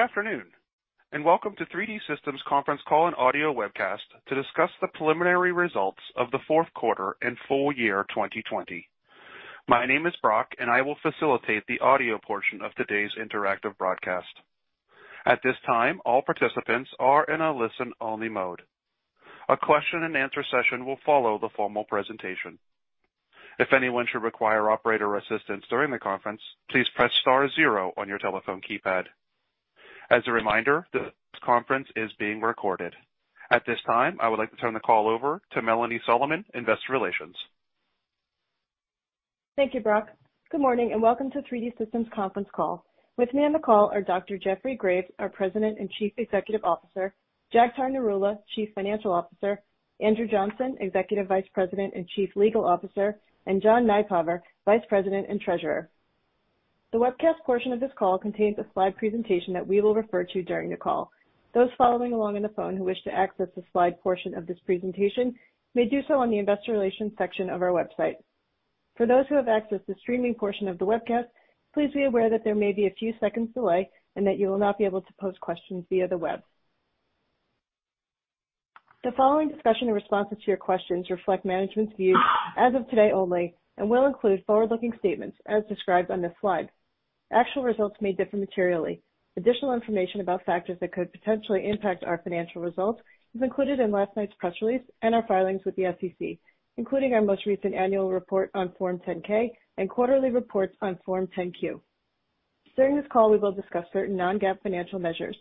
Good afternoon, and welcome to 3D Systems conference call and audio webcast to discuss the preliminary results of the fourth quarter and full year 2020. My name is Brock, and I will facilitate the audio portion of today's interactive broadcast. At this time, all participants are in a listen-only mode. A question-and-answer session will follow the formal presentation. If anyone should require operator assistance during the conference, please press star zero on your telephone keypad. As a reminder, this conference is being recorded. At this time, I would like to turn the call over to Melanie Solomon, Investor Relations. Thank you, Brock. Good morning, and welcome to 3D Systems conference call. With me on the call are Dr. Jeffrey Graves, our President and Chief Executive Officer, Jagtar Narula, Chief Financial Officer, Andrew Johnson, Executive Vice President and Chief Legal Officer, and John Nypaver, Vice President and Treasurer. The webcast portion of this call contains a slide presentation that we will refer to during the call. Those following along on the phone who wish to access the slide portion of this presentation may do so on the Investor Relations section of our website. For those who have access to the streaming portion of the webcast, please be aware that there may be a few seconds' delay and that you will not be able to post questions via the web. The following discussion and responses to your questions reflect management's views as of today only and will include forward-looking statements as described on this slide. Actual results may differ materially. Additional information about factors that could potentially impact our financial results is included in last night's press release and our filings with the SEC, including our most recent annual report on Form 10-K and quarterly reports on Form 10-Q. During this call, we will discuss certain non-GAAP financial measures.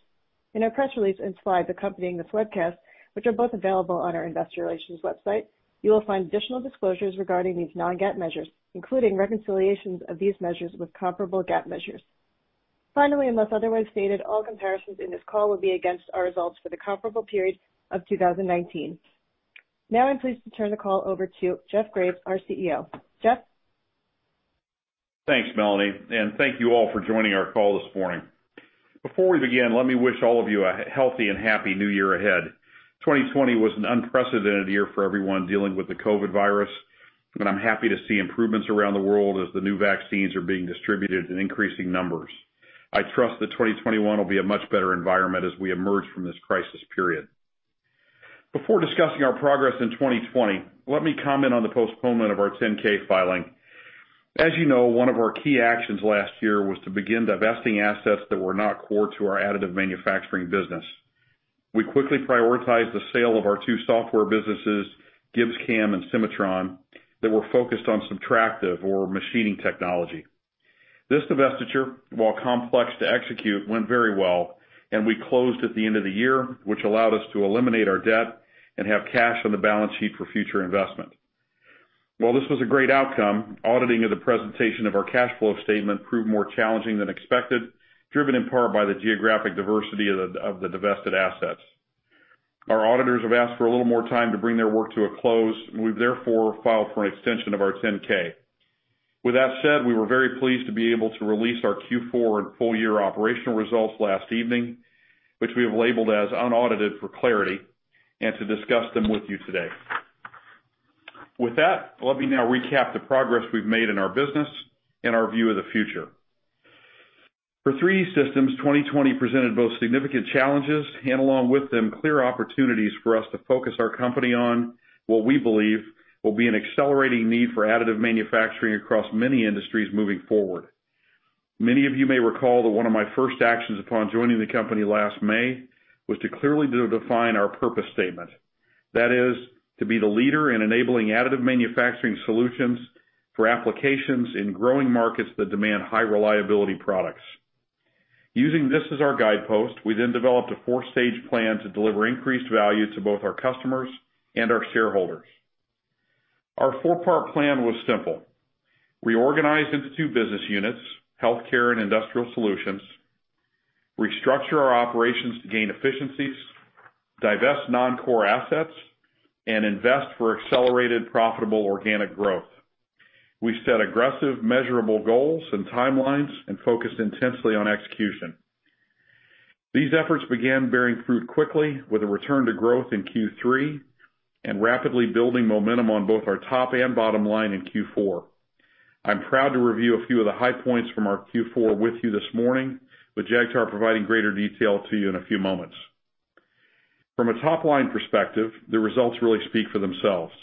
In our press release and slide accompanying this webcast, which are both available on our Investor Relations website, you will find additional disclosures regarding these non-GAAP measures, including reconciliations of these measures with comparable GAAP measures. Finally, unless otherwise stated, all comparisons in this call will be against our results for the comparable period of 2019. Now, I'm pleased to turn the call over to Jeff Graves, our CEO. Jeff. Thanks, Melanie, and thank you all for joining our call this morning. Before we begin, let me wish all of you a healthy and happy new year ahead. 2020 was an unprecedented year for everyone dealing with the COVID virus, and I'm happy to see improvements around the world as the new vaccines are being distributed in increasing numbers. I trust that 2021 will be a much better environment as we emerge from this crisis period. Before discussing our progress in 2020, let me comment on the postponement of our 10-K filing. As you know, one of our key actions last year was to begin divesting assets that were not core to our additive manufacturing business. We quickly prioritized the sale of our two software businesses, GibbsCAM and Cimatron, that were focused on subtractive or machining technology. This divestiture, while complex to execute, went very well, and we closed at the end of the year, which allowed us to eliminate our debt and have cash on the balance sheet for future investment. While this was a great outcome, auditing of the presentation of our cash flow statement proved more challenging than expected, driven in part by the geographic diversity of the divested assets. Our auditors have asked for a little more time to bring their work to a close, and we've therefore filed for an extension of our 10-K. With that said, we were very pleased to be able to release our Q4 and full year operational results last evening, which we have labeled as unaudited for clarity, and to discuss them with you today. With that, let me now recap the progress we've made in our business and our view of the future. For 3D Systems, 2020 presented both significant challenges and, along with them, clear opportunities for us to focus our company on what we believe will be an accelerating need for additive manufacturing across many industries moving forward. Many of you may recall that one of my first actions upon joining the company last May was to clearly define our purpose statement. That is, to be the leader in enabling additive manufacturing solutions for applications in growing markets that demand high-reliability products. Using this as our guidepost, we then developed a four-stage plan to deliver increased value to both our customers and our shareholders. Our four-part plan was simple: reorganize into two business units, healthcare and industrial solutions, restructure our operations to gain efficiencies, divest non-core assets, and invest for accelerated, profitable organic growth. We set aggressive, measurable goals and timelines and focused intensely on execution. These efforts began bearing fruit quickly, with a return to growth in Q3 and rapidly building momentum on both our top and bottom line in Q4. I'm proud to review a few of the high points from our Q4 with you this morning, with Jagtar providing greater detail to you in a few moments. From a top-line perspective, the results really speak for themselves.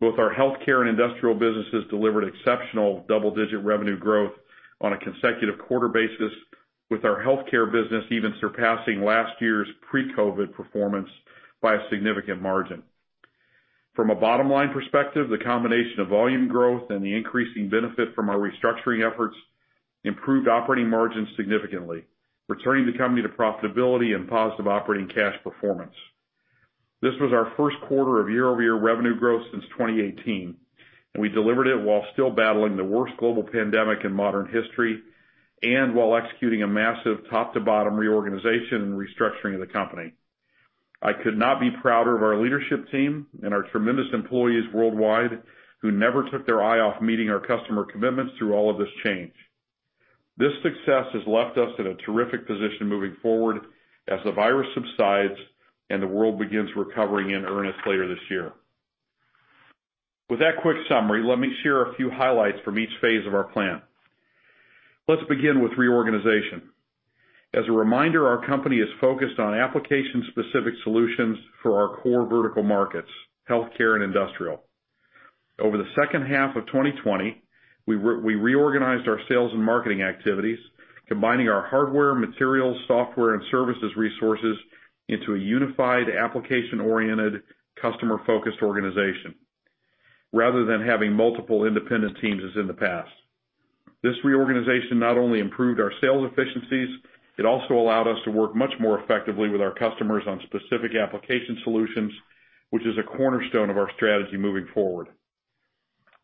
Both our healthcare and industrial businesses delivered exceptional double-digit revenue growth on a consecutive quarter basis, with our healthcare business even surpassing last year's pre-COVID performance by a significant margin. From a bottom-line perspective, the combination of volume growth and the increasing benefit from our restructuring efforts improved operating margins significantly, returning the company to profitability and positive operating cash performance. This was our first quarter of year-over-year revenue growth since 2018, and we delivered it while still battling the worst global pandemic in modern history and while executing a massive top-to-bottom reorganization and restructuring of the company. I could not be prouder of our leadership team and our tremendous employees worldwide who never took their eye off meeting our customer commitments through all of this change. This success has left us in a terrific position moving forward as the virus subsides and the world begins recovering in earnest later this year. With that quick summary, let me share a few highlights from each phase of our plan. Let's begin with reorganization. As a reminder, our company is focused on application-specific solutions for our core vertical markets, healthcare and industrial. Over the second half of 2020, we reorganized our sales and marketing activities, combining our hardware, materials, software, and services resources into a unified application-oriented, customer-focused organization, rather than having multiple independent teams as in the past. This reorganization not only improved our sales efficiencies, it also allowed us to work much more effectively with our customers on specific application solutions, which is a cornerstone of our strategy moving forward.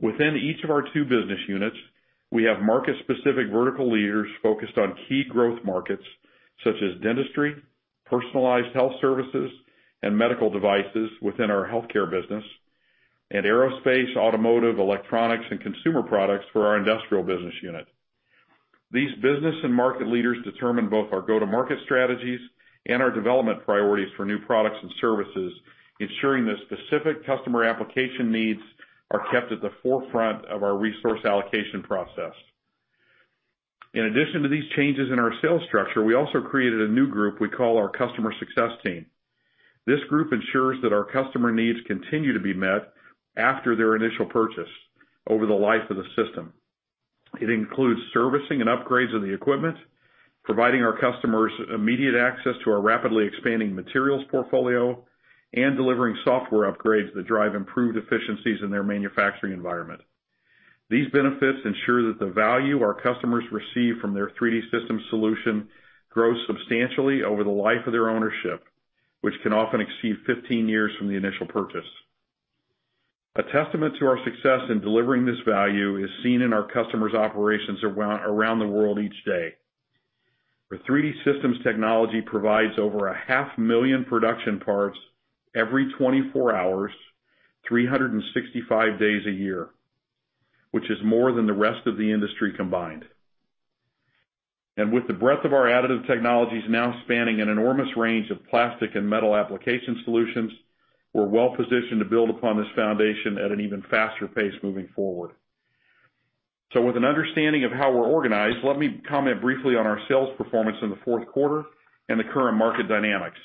Within each of our two business units, we have market-specific vertical leaders focused on key growth markets such as dentistry, personalized health services, and medical devices within our healthcare business, and aerospace, automotive, electronics, and consumer products for our industrial business unit. These business and market leaders determine both our go-to-market strategies and our development priorities for new products and services, ensuring that specific customer application needs are kept at the forefront of our resource allocation process. In addition to these changes in our sales structure, we also created a new group we call our Customer Success Team. This group ensures that our customer needs continue to be met after their initial purchase over the life of the system. It includes servicing and upgrades of the equipment, providing our customers immediate access to our rapidly expanding materials portfolio, and delivering software upgrades that drive improved efficiencies in their manufacturing environment. These benefits ensure that the value our customers receive from their 3D Systems solution grows substantially over the life of their ownership, which can often exceed 15 years from the initial purchase. A testament to our success in delivering this value is seen in our customers' operations around the world each day. 3D Systems' technology provides over 500,000 production parts every 24 hours, 365 days a year, which is more than the rest of the industry combined, and with the breadth of our additive technologies now spanning an enormous range of plastic and metal application solutions, we're well positioned to build upon this foundation at an even faster pace moving forward, so with an understanding of how we're organized, let me comment briefly on our sales performance in the fourth quarter and the current market dynamics.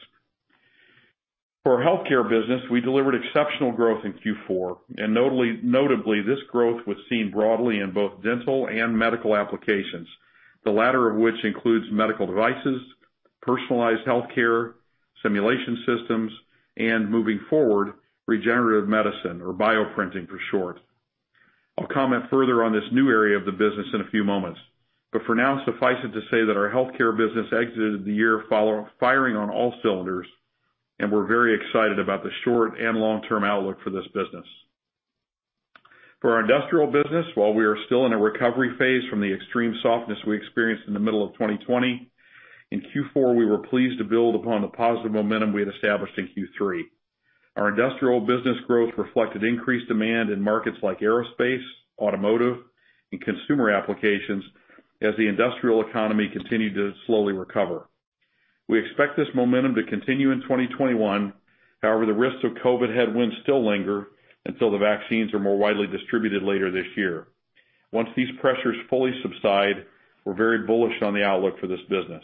For our healthcare business, we delivered exceptional growth in Q4, and notably, this growth was seen broadly in both dental and medical applications, the latter of which includes medical devices, personalized healthcare, simulation systems, and moving forward, regenerative medicine, or bioprinting for short. I'll comment further on this new area of the business in a few moments, but for now, suffice it to say that our healthcare business exited the year firing on all cylinders, and we're very excited about the short and long-term outlook for this business. For our industrial business, while we are still in a recovery phase from the extreme softness we experienced in the middle of 2020, in Q4, we were pleased to build upon the positive momentum we had established in Q3. Our industrial business growth reflected increased demand in markets like aerospace, automotive, and consumer applications as the industrial economy continued to slowly recover. We expect this momentum to continue in 2021. However, the risks of COVID headwinds still linger until the vaccines are more widely distributed later this year. Once these pressures fully subside, we're very bullish on the outlook for this business.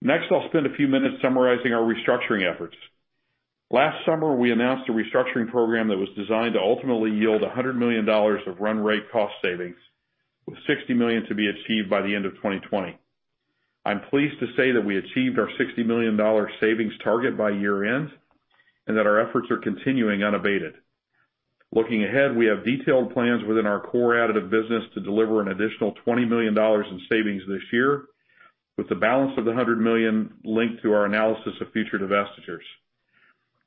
Next, I'll spend a few minutes summarizing our restructuring efforts. Last summer, we announced a restructuring program that was designed to ultimately yield $100 million of run rate cost savings, with $60 million to be achieved by the end of 2020. I'm pleased to say that we achieved our $60 million savings target by year-end and that our efforts are continuing unabated. Looking ahead, we have detailed plans within our core additive business to deliver an additional $20 million in savings this year, with the balance of the $100 million linked to our analysis of future divestitures.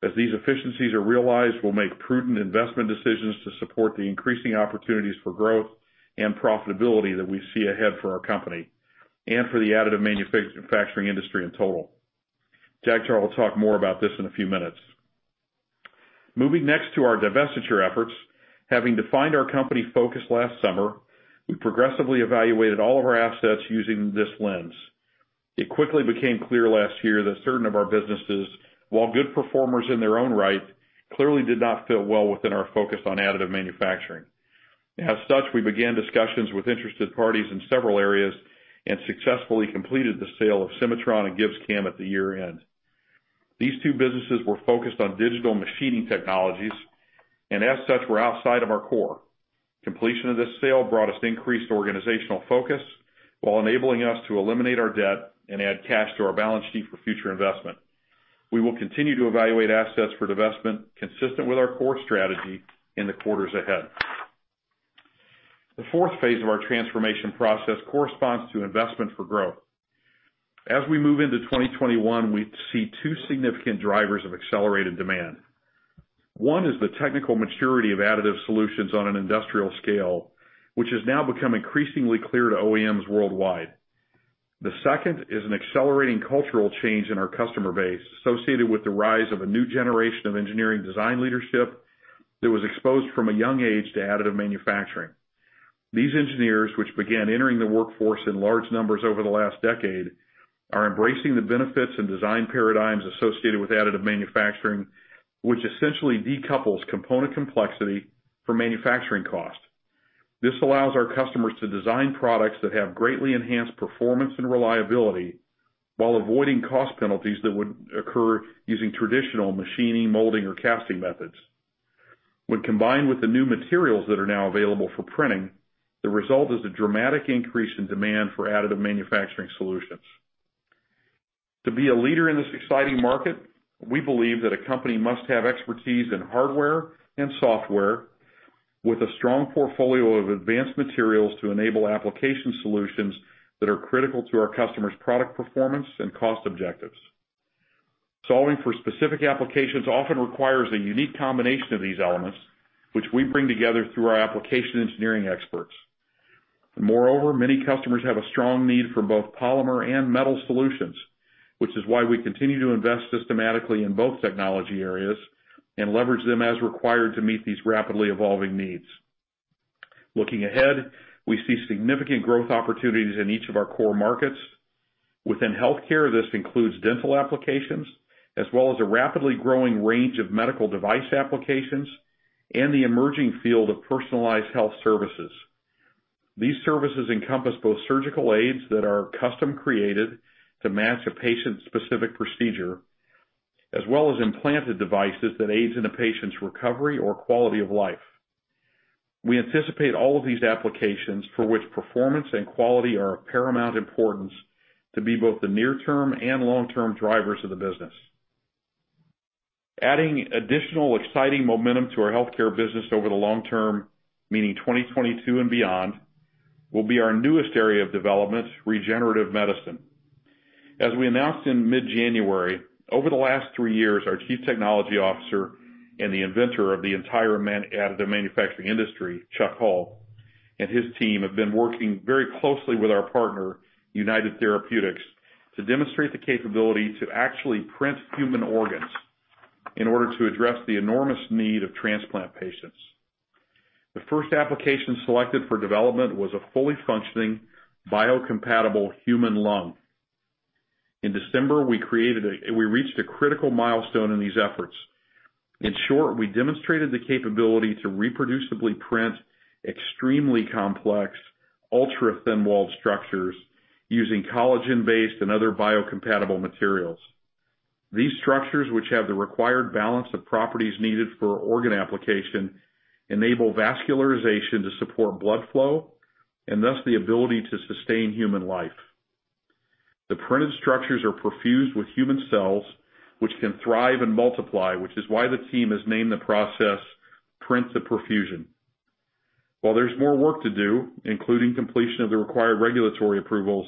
As these efficiencies are realized, we'll make prudent investment decisions to support the increasing opportunities for growth and profitability that we see ahead for our company and for the additive manufacturing industry in total. Jagtar will talk more about this in a few minutes. Moving next to our divestiture efforts, having defined our company focus last summer, we progressively evaluated all of our assets using this lens. It quickly became clear last year that certain of our businesses, while good performers in their own right, clearly did not fit well within our focus on additive manufacturing. As such, we began discussions with interested parties in several areas and successfully completed the sale of Cimatron and GibbsCAM at the year-end. These two businesses were focused on digital machining technologies and, as such, were outside of our core. Completion of this sale brought us increased organizational focus while enabling us to eliminate our debt and add cash to our balance sheet for future investment. We will continue to evaluate assets for divestment consistent with our core strategy in the quarters ahead. The fourth phase of our transformation process corresponds to investment for growth. As we move into 2021, we see two significant drivers of accelerated demand. One is the technical maturity of additive solutions on an industrial scale, which has now become increasingly clear to OEMs worldwide. The second is an accelerating cultural change in our customer base associated with the rise of a new generation of engineering design leadership that was exposed from a young age to additive manufacturing. These engineers, which began entering the workforce in large numbers over the last decade, are embracing the benefits and design paradigms associated with additive manufacturing, which essentially decouples component complexity from manufacturing cost. This allows our customers to design products that have greatly enhanced performance and reliability while avoiding cost penalties that would occur using traditional machining, molding, or casting methods. When combined with the new materials that are now available for printing, the result is a dramatic increase in demand for additive manufacturing solutions. To be a leader in this exciting market, we believe that a company must have expertise in hardware and software with a strong portfolio of advanced materials to enable application solutions that are critical to our customers' product performance and cost objectives. Solving for specific applications often requires a unique combination of these elements, which we bring together through our application engineering experts. Moreover, many customers have a strong need for both polymer and metal solutions, which is why we continue to invest systematically in both technology areas and leverage them as required to meet these rapidly evolving needs. Looking ahead, we see significant growth opportunities in each of our core markets. Within healthcare, this includes dental applications as well as a rapidly growing range of medical device applications and the emerging field of personalized health services. These services encompass both surgical aids that are custom-created to match a patient-specific procedure, as well as implanted devices that aid in a patient's recovery or quality of life. We anticipate all of these applications for which performance and quality are of paramount importance to be both the near-term and long-term drivers of the business. Adding additional exciting momentum to our healthcare business over the long term, meaning 2022 and beyond, will be our newest area of development, regenerative medicine. As we announced in mid-January, over the last three years, our Chief Technology Officer and the inventor of the entire additive manufacturing industry, Chuck Hull, and his team have been working very closely with our partner, United Therapeutics, to demonstrate the capability to actually print human organs in order to address the enormous need of transplant patients. The first application selected for development was a fully functioning biocompatible human lung. In December, we reached a critical milestone in these efforts. In short, we demonstrated the capability to reproducibly print extremely complex, ultra-thin-walled structures using collagen-based and other biocompatible materials. These structures, which have the required balance of properties needed for organ application, enable vascularization to support blood flow and thus the ability to sustain human life. The printed structures are perfused with human cells, which can thrive and multiply, which is why the team has named the process Print to Perfusion. While there's more work to do, including completion of the required regulatory approvals,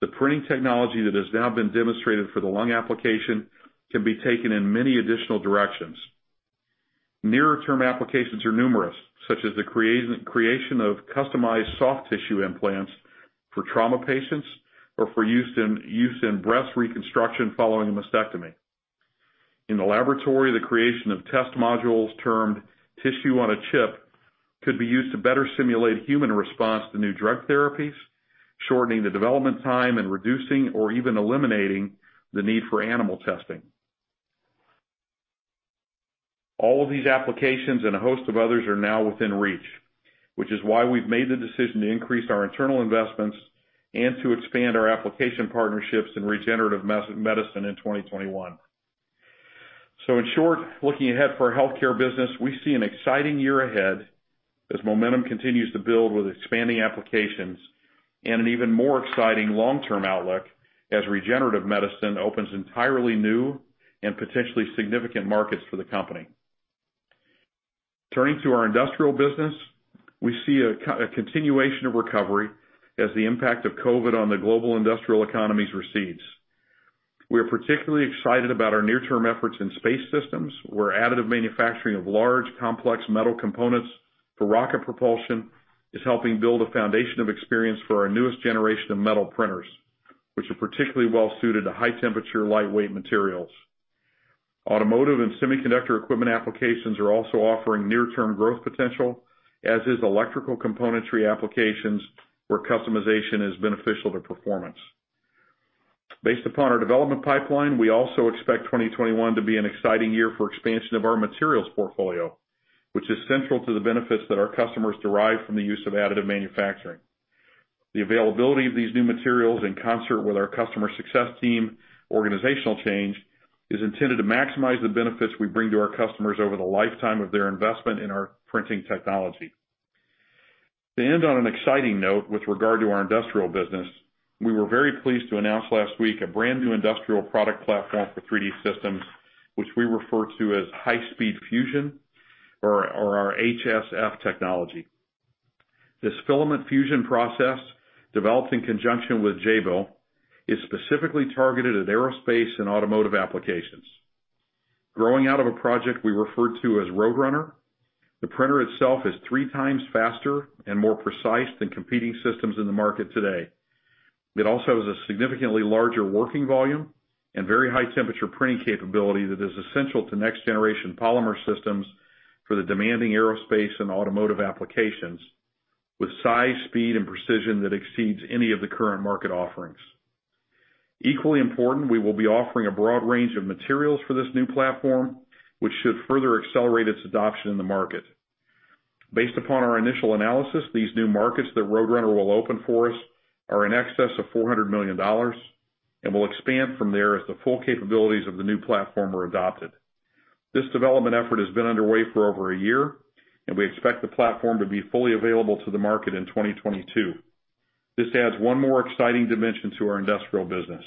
the printing technology that has now been demonstrated for the lung application can be taken in many additional directions. Nearer-term applications are numerous, such as the creation of customized soft tissue implants for trauma patients or for use in breast reconstruction following a mastectomy. In the laboratory, the creation of test modules termed tissue-on-a-chip could be used to better simulate human response to new drug therapies, shortening the development time and reducing or even eliminating the need for animal testing. All of these applications and a host of others are now within reach, which is why we've made the decision to increase our internal investments and to expand our application partnerships in regenerative medicine in 2021. So in short, looking ahead for our healthcare business, we see an exciting year ahead as momentum continues to build with expanding applications and an even more exciting long-term outlook as regenerative medicine opens entirely new and potentially significant markets for the company. Turning to our industrial business, we see a continuation of recovery as the impact of COVID on the global industrial economies recedes. We are particularly excited about our near-term efforts in space systems, where additive manufacturing of large, complex metal components for rocket propulsion is helping build a foundation of experience for our newest generation of metal printers, which are particularly well-suited to high-temperature, lightweight materials. Automotive and semiconductor equipment applications are also offering near-term growth potential, as is electrical componentry applications where customization is beneficial to performance. Based upon our development pipeline, we also expect 2021 to be an exciting year for expansion of our materials portfolio, which is central to the benefits that our customers derive from the use of additive manufacturing. The availability of these new materials, in concert with our Customer Success Team organizational change, is intended to maximize the benefits we bring to our customers over the lifetime of their investment in our printing technology. To end on an exciting note with regard to our industrial business, we were very pleased to announce last week a brand new industrial product platform for 3D Systems, which we refer to as High Speed Fusion or our HSF technology. This filament fusion process, developed in conjunction with Jabil, is specifically targeted at aerospace and automotive applications. Growing out of a project we referred to as Roadrunner, the printer itself is three times faster and more precise than competing systems in the market today. It also has a significantly larger working volume and very high-temperature printing capability that is essential to next-generation polymer systems for the demanding aerospace and automotive applications, with size, speed, and precision that exceeds any of the current market offerings. Equally important, we will be offering a broad range of materials for this new platform, which should further accelerate its adoption in the market. Based upon our initial analysis, these new markets that Roadrunner will open for us are in excess of $400 million and will expand from there as the full capabilities of the new platform are adopted. This development effort has been underway for over a year, and we expect the platform to be fully available to the market in 2022. This adds one more exciting dimension to our industrial business.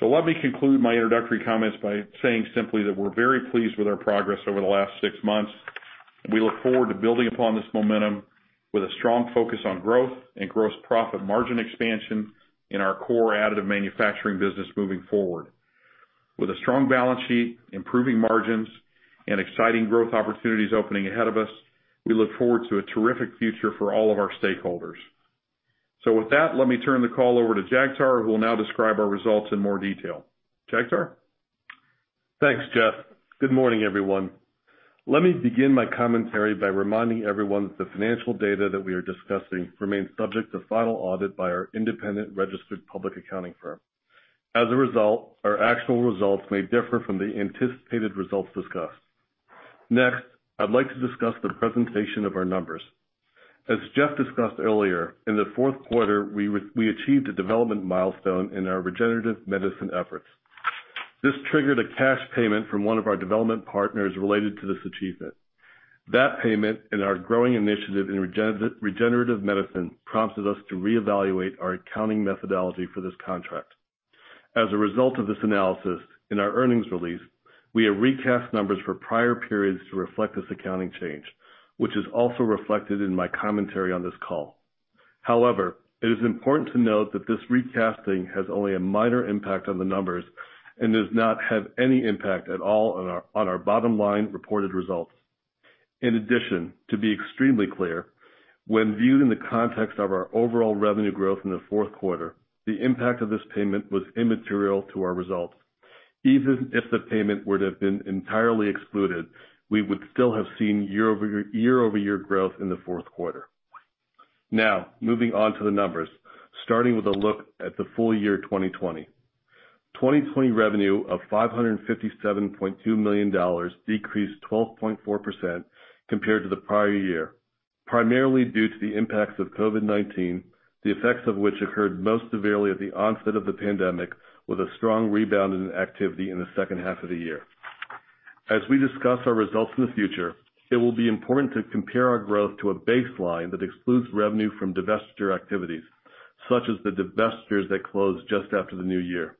So let me conclude my introductory comments by saying simply that we're very pleased with our progress over the last six months, and we look forward to building upon this momentum with a strong focus on growth and gross profit margin expansion in our core additive manufacturing business moving forward. With a strong balance sheet, improving margins, and exciting growth opportunities opening ahead of us, we look forward to a terrific future for all of our stakeholders. So with that, let me turn the call over to Jagtar, who will now describe our results in more detail. Jagtar? Thanks, Jeff. Good morning, everyone. Let me begin my commentary by reminding everyone that the financial data that we are discussing remains subject to final audit by our independent registered public accounting firm. As a result, our actual results may differ from the anticipated results discussed. Next, I'd like to discuss the presentation of our numbers. As Jeff discussed earlier, in the fourth quarter, we achieved a development milestone in our regenerative medicine efforts. This triggered a cash payment from one of our development partners related to this achievement. That payment and our growing initiative in regenerative medicine prompted us to reevaluate our accounting methodology for this contract. As a result of this analysis, in our earnings release, we have recast numbers for prior periods to reflect this accounting change, which is also reflected in my commentary on this call. However, it is important to note that this recasting has only a minor impact on the numbers and does not have any impact at all on our bottom-line reported results. In addition, to be extremely clear, when viewed in the context of our overall revenue growth in the fourth quarter, the impact of this payment was immaterial to our results. Even if the payment were to have been entirely excluded, we would still have seen year-over-year growth in the fourth quarter. Now, moving on to the numbers, starting with a look at the full year 2020. 2020 revenue of $557.2 million decreased 12.4% compared to the prior year, primarily due to the impacts of COVID-19, the effects of which occurred most severely at the onset of the pandemic, with a strong rebound in activity in the second half of the year. As we discuss our results in the future, it will be important to compare our growth to a baseline that excludes revenue from divestiture activities, such as the divestitures that closed just after the new year.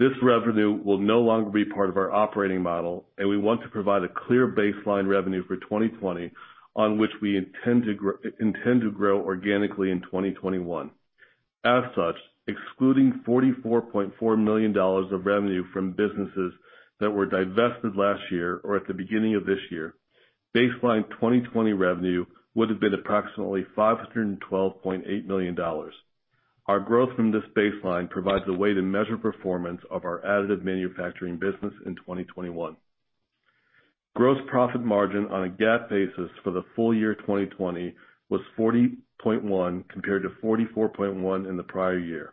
This revenue will no longer be part of our operating model, and we want to provide a clear baseline revenue for 2020 on which we intend to grow organically in 2021. As such, excluding $44.4 million of revenue from businesses that were divested last year or at the beginning of this year, baseline 2020 revenue would have been approximately $512.8 million. Our growth from this baseline provides a way to measure performance of our additive manufacturing business in 2021. Gross profit margin on a GAAP basis for the full year 2020 was 40.1% compared to 44.1% in the prior year.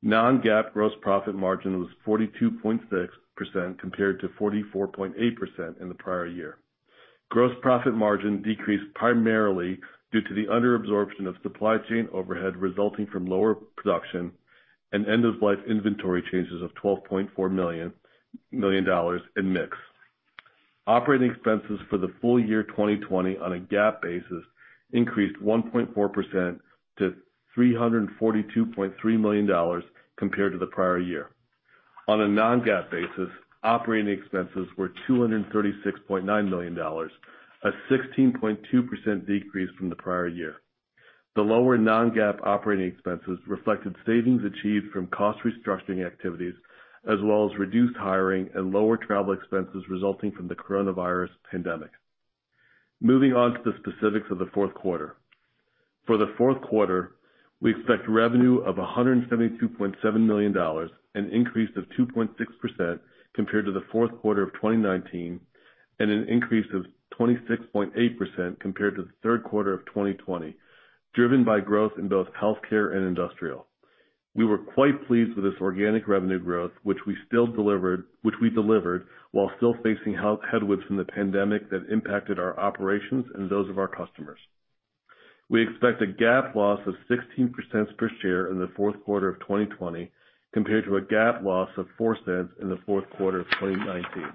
Non-GAAP gross profit margin was 42.6% compared to 44.8% in the prior year. Gross profit margin decreased primarily due to the under absorption of supply chain overhead resulting from lower production and end-of-life inventory changes of $12.4 million in mix. Operating expenses for the full year 2020 on a GAAP basis increased 1.4% to $342.3 million compared to the prior year. On a non-GAAP basis, operating expenses were $236.9 million, a 16.2% decrease from the prior year. The lower non-GAAP operating expenses reflected savings achieved from cost restructuring activities, as well as reduced hiring and lower travel expenses resulting from the coronavirus pandemic. Moving on to the specifics of the fourth quarter. For the fourth quarter, we expect revenue of $172.7 million and an increase of 2.6% compared to the fourth quarter of 2019 and an increase of 26.8% compared to the third quarter of 2020, driven by growth in both healthcare and industrial. We were quite pleased with this organic revenue growth, which we delivered while still facing headwinds from the pandemic that impacted our operations and those of our customers. We expect a GAAP loss of $0.16 per share in the fourth quarter of 2020 compared to a GAAP loss of $0.04 in the fourth quarter of 2019.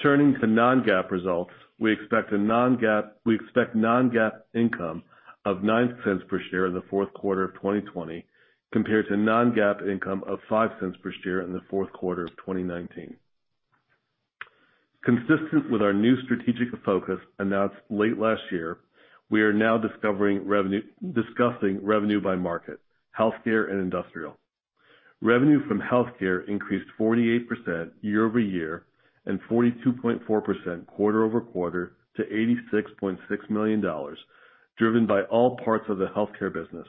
Turning to non-GAAP results, we expect non-GAAP income of $0.09 per share in the fourth quarter of 2020 compared to non-GAAP income of $0.05 per share in the fourth quarter of 2019. Consistent with our new strategic focus announced late last year, we are now discussing revenue by market, healthcare and industrial. Revenue from healthcare increased 48% year-over-year and 42.4% quarter-over-quarter to $86.6 million, driven by all parts of the healthcare business: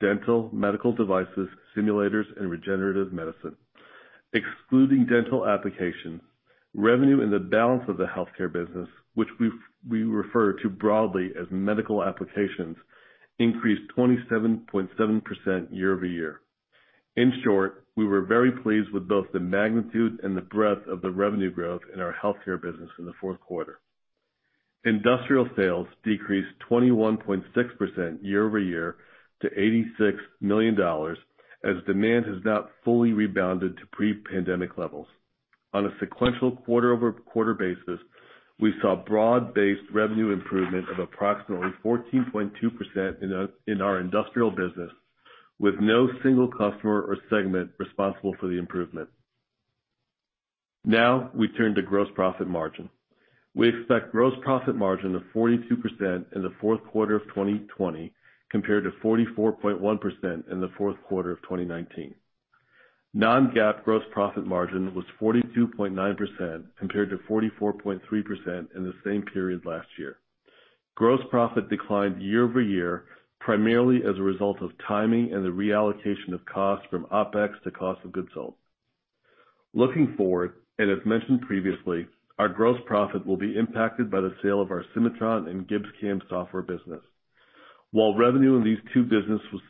dental, medical devices, simulators, and regenerative medicine. Excluding dental applications, revenue in the balance of the healthcare business, which we refer to broadly as medical applications, increased 27.7% year-over-year. In short, we were very pleased with both the magnitude and the breadth of the revenue growth in our healthcare business in the fourth quarter. Industrial sales decreased 21.6% year-over-year to $86 million as demand has not fully rebounded to pre-pandemic levels. On a sequential quarter-over-quarter basis, we saw broad-based revenue improvement of approximately 14.2% in our industrial business, with no single customer or segment responsible for the improvement. Now, we turn to gross profit margin. We expect gross profit margin of 42% in the fourth quarter of 2020 compared to 44.1% in the fourth quarter of 2019. Non-GAAP gross profit margin was 42.9% compared to 44.3% in the same period last year. Gross profit declined year-over-year, primarily as a result of timing and the reallocation of costs from OPEX to cost of goods sold. Looking forward, and as mentioned previously, our gross profit will be impacted by the sale of our Cimatron and GibbsCAM software business. While revenue in these two businesses was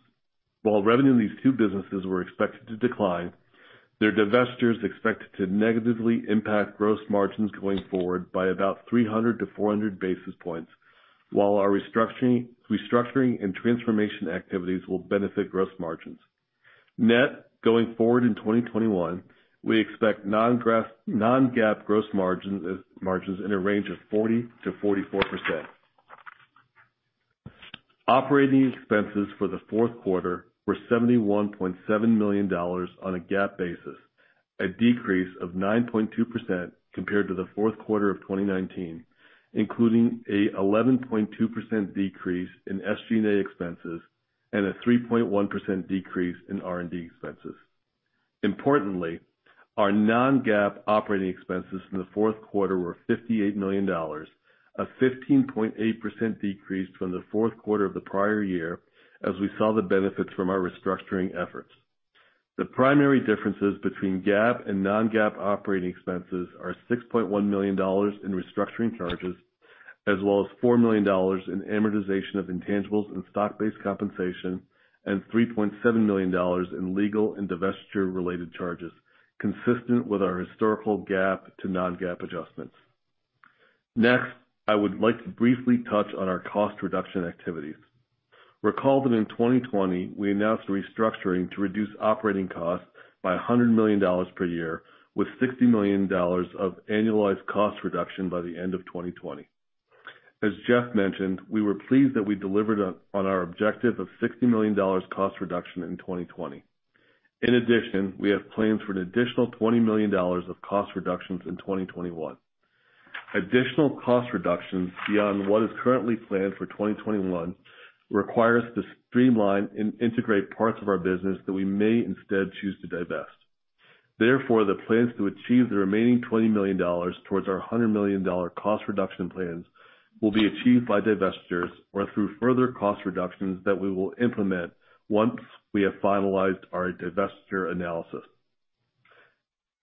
expected to decline, their divestitures are expected to negatively impact gross margins going forward by about 300-400 basis points, while our restructuring and transformation activities will benefit gross margins. Net, going forward in 2021, we expect non-GAAP gross margins in a range of 40%-44%. Operating expenses for the fourth quarter were $71.7 million on a GAAP basis, a decrease of 9.2% compared to the fourth quarter of 2019, including an 11.2% decrease in SG&A expenses and a 3.1% decrease in R&D expenses. Importantly, our non-GAAP operating expenses in the fourth quarter were $58 million, a 15.8% decrease from the fourth quarter of the prior year as we saw the benefits from our restructuring efforts. The primary differences between GAAP and non-GAAP operating expenses are $6.1 million in restructuring charges, as well as $4 million in amortization of intangibles and stock-based compensation, and $3.7 million in legal and divestiture-related charges, consistent with our historical GAAP to non-GAAP adjustments. Next, I would like to briefly touch on our cost reduction activities. Recall that in 2020, we announced restructuring to reduce operating costs by $100 million per year, with $60 million of annualized cost reduction by the end of 2020. As Jeff mentioned, we were pleased that we delivered on our objective of $60 million cost reduction in 2020. In addition, we have plans for an additional $20 million of cost reductions in 2021. Additional cost reductions beyond what is currently planned for 2021 require us to streamline and integrate parts of our business that we may instead choose to divest. Therefore, the plans to achieve the remaining $20 million towards our $100 million cost reduction plans will be achieved by divestitures or through further cost reductions that we will implement once we have finalized our divestiture analysis.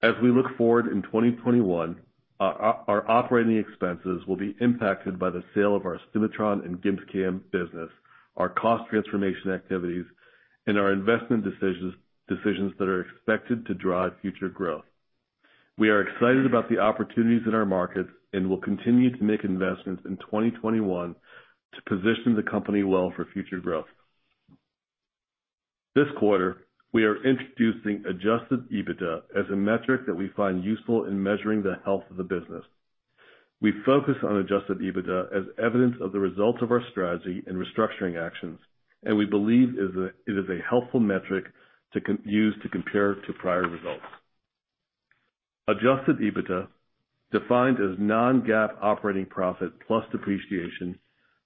As we look forward in 2021, our operating expenses will be impacted by the sale of our Cimatron and GibbsCAM business, our cost transformation activities, and our investment decisions that are expected to drive future growth. We are excited about the opportunities in our markets and will continue to make investments in 2021 to position the company well for future growth. This quarter, we are introducing Adjusted EBITDA as a metric that we find useful in measuring the health of the business. We focus on adjusted EBITDA as evidence of the results of our strategy and restructuring efforts, and we believe it is a helpful metric to use to compare to prior results. Adjusted EBITDA, defined as non-GAAP operating profit plus depreciation,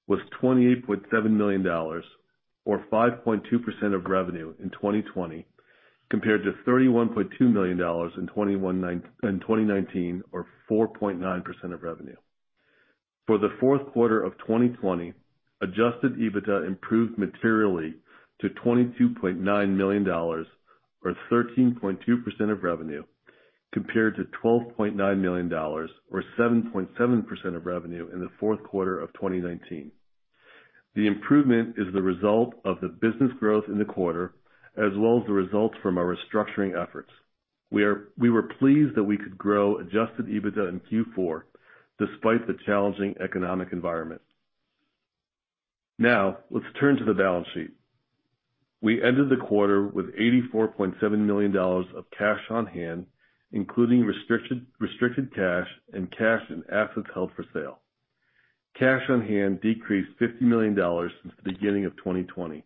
was $28.7 million or 5.2% of revenue in 2020 compared to $31.2 million in 2019 or 4.9% of revenue. For the fourth quarter of 2020, adjusted EBITDA improved materially to $22.9 million or 13.2% of revenue compared to $12.9 million or 7.7% of revenue in the fourth quarter of 2019. The improvement is the result of the business growth in the quarter as well as the results from our restructuring efforts. We were pleased that we could grow adjusted EBITDA in Q4 despite the challenging economic environment. Now, let's turn to the balance sheet. We ended the quarter with $84.7 million of cash on hand, including restricted cash and cash and assets held for sale. Cash on hand decreased $50 million since the beginning of 2020.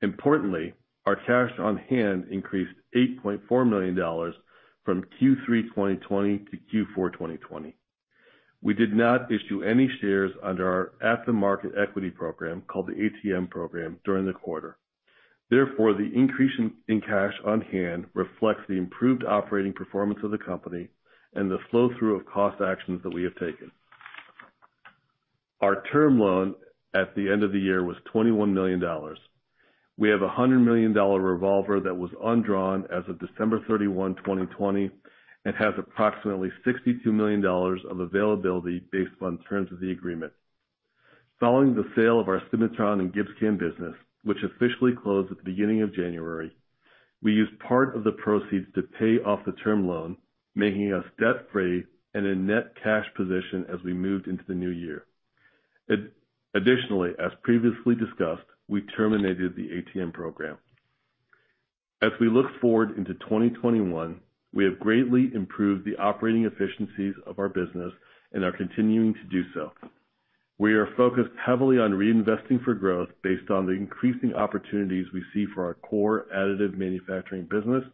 Importantly, our cash on hand increased $8.4 million from Q3 2020 to Q4 2020. We did not issue any shares under our at-the-market equity program called the ATM program during the quarter. Therefore, the increase in cash on hand reflects the improved operating performance of the company and the flow-through of cost actions that we have taken. Our term loan at the end of the year was $21 million. We have a $100 million revolver that was undrawn as of December 31, 2020, and has approximately $62 million of availability based on terms of the agreement. Following the sale of our Cimatron and GibbsCAM business, which officially closed at the beginning of January, we used part of the proceeds to pay off the term loan, making us debt-free and in net cash position as we moved into the new year. Additionally, as previously discussed, we terminated the ATM program. As we look forward into 2021, we have greatly improved the operating efficiencies of our business and are continuing to do so. We are focused heavily on reinvesting for growth based on the increasing opportunities we see for our core additive manufacturing business,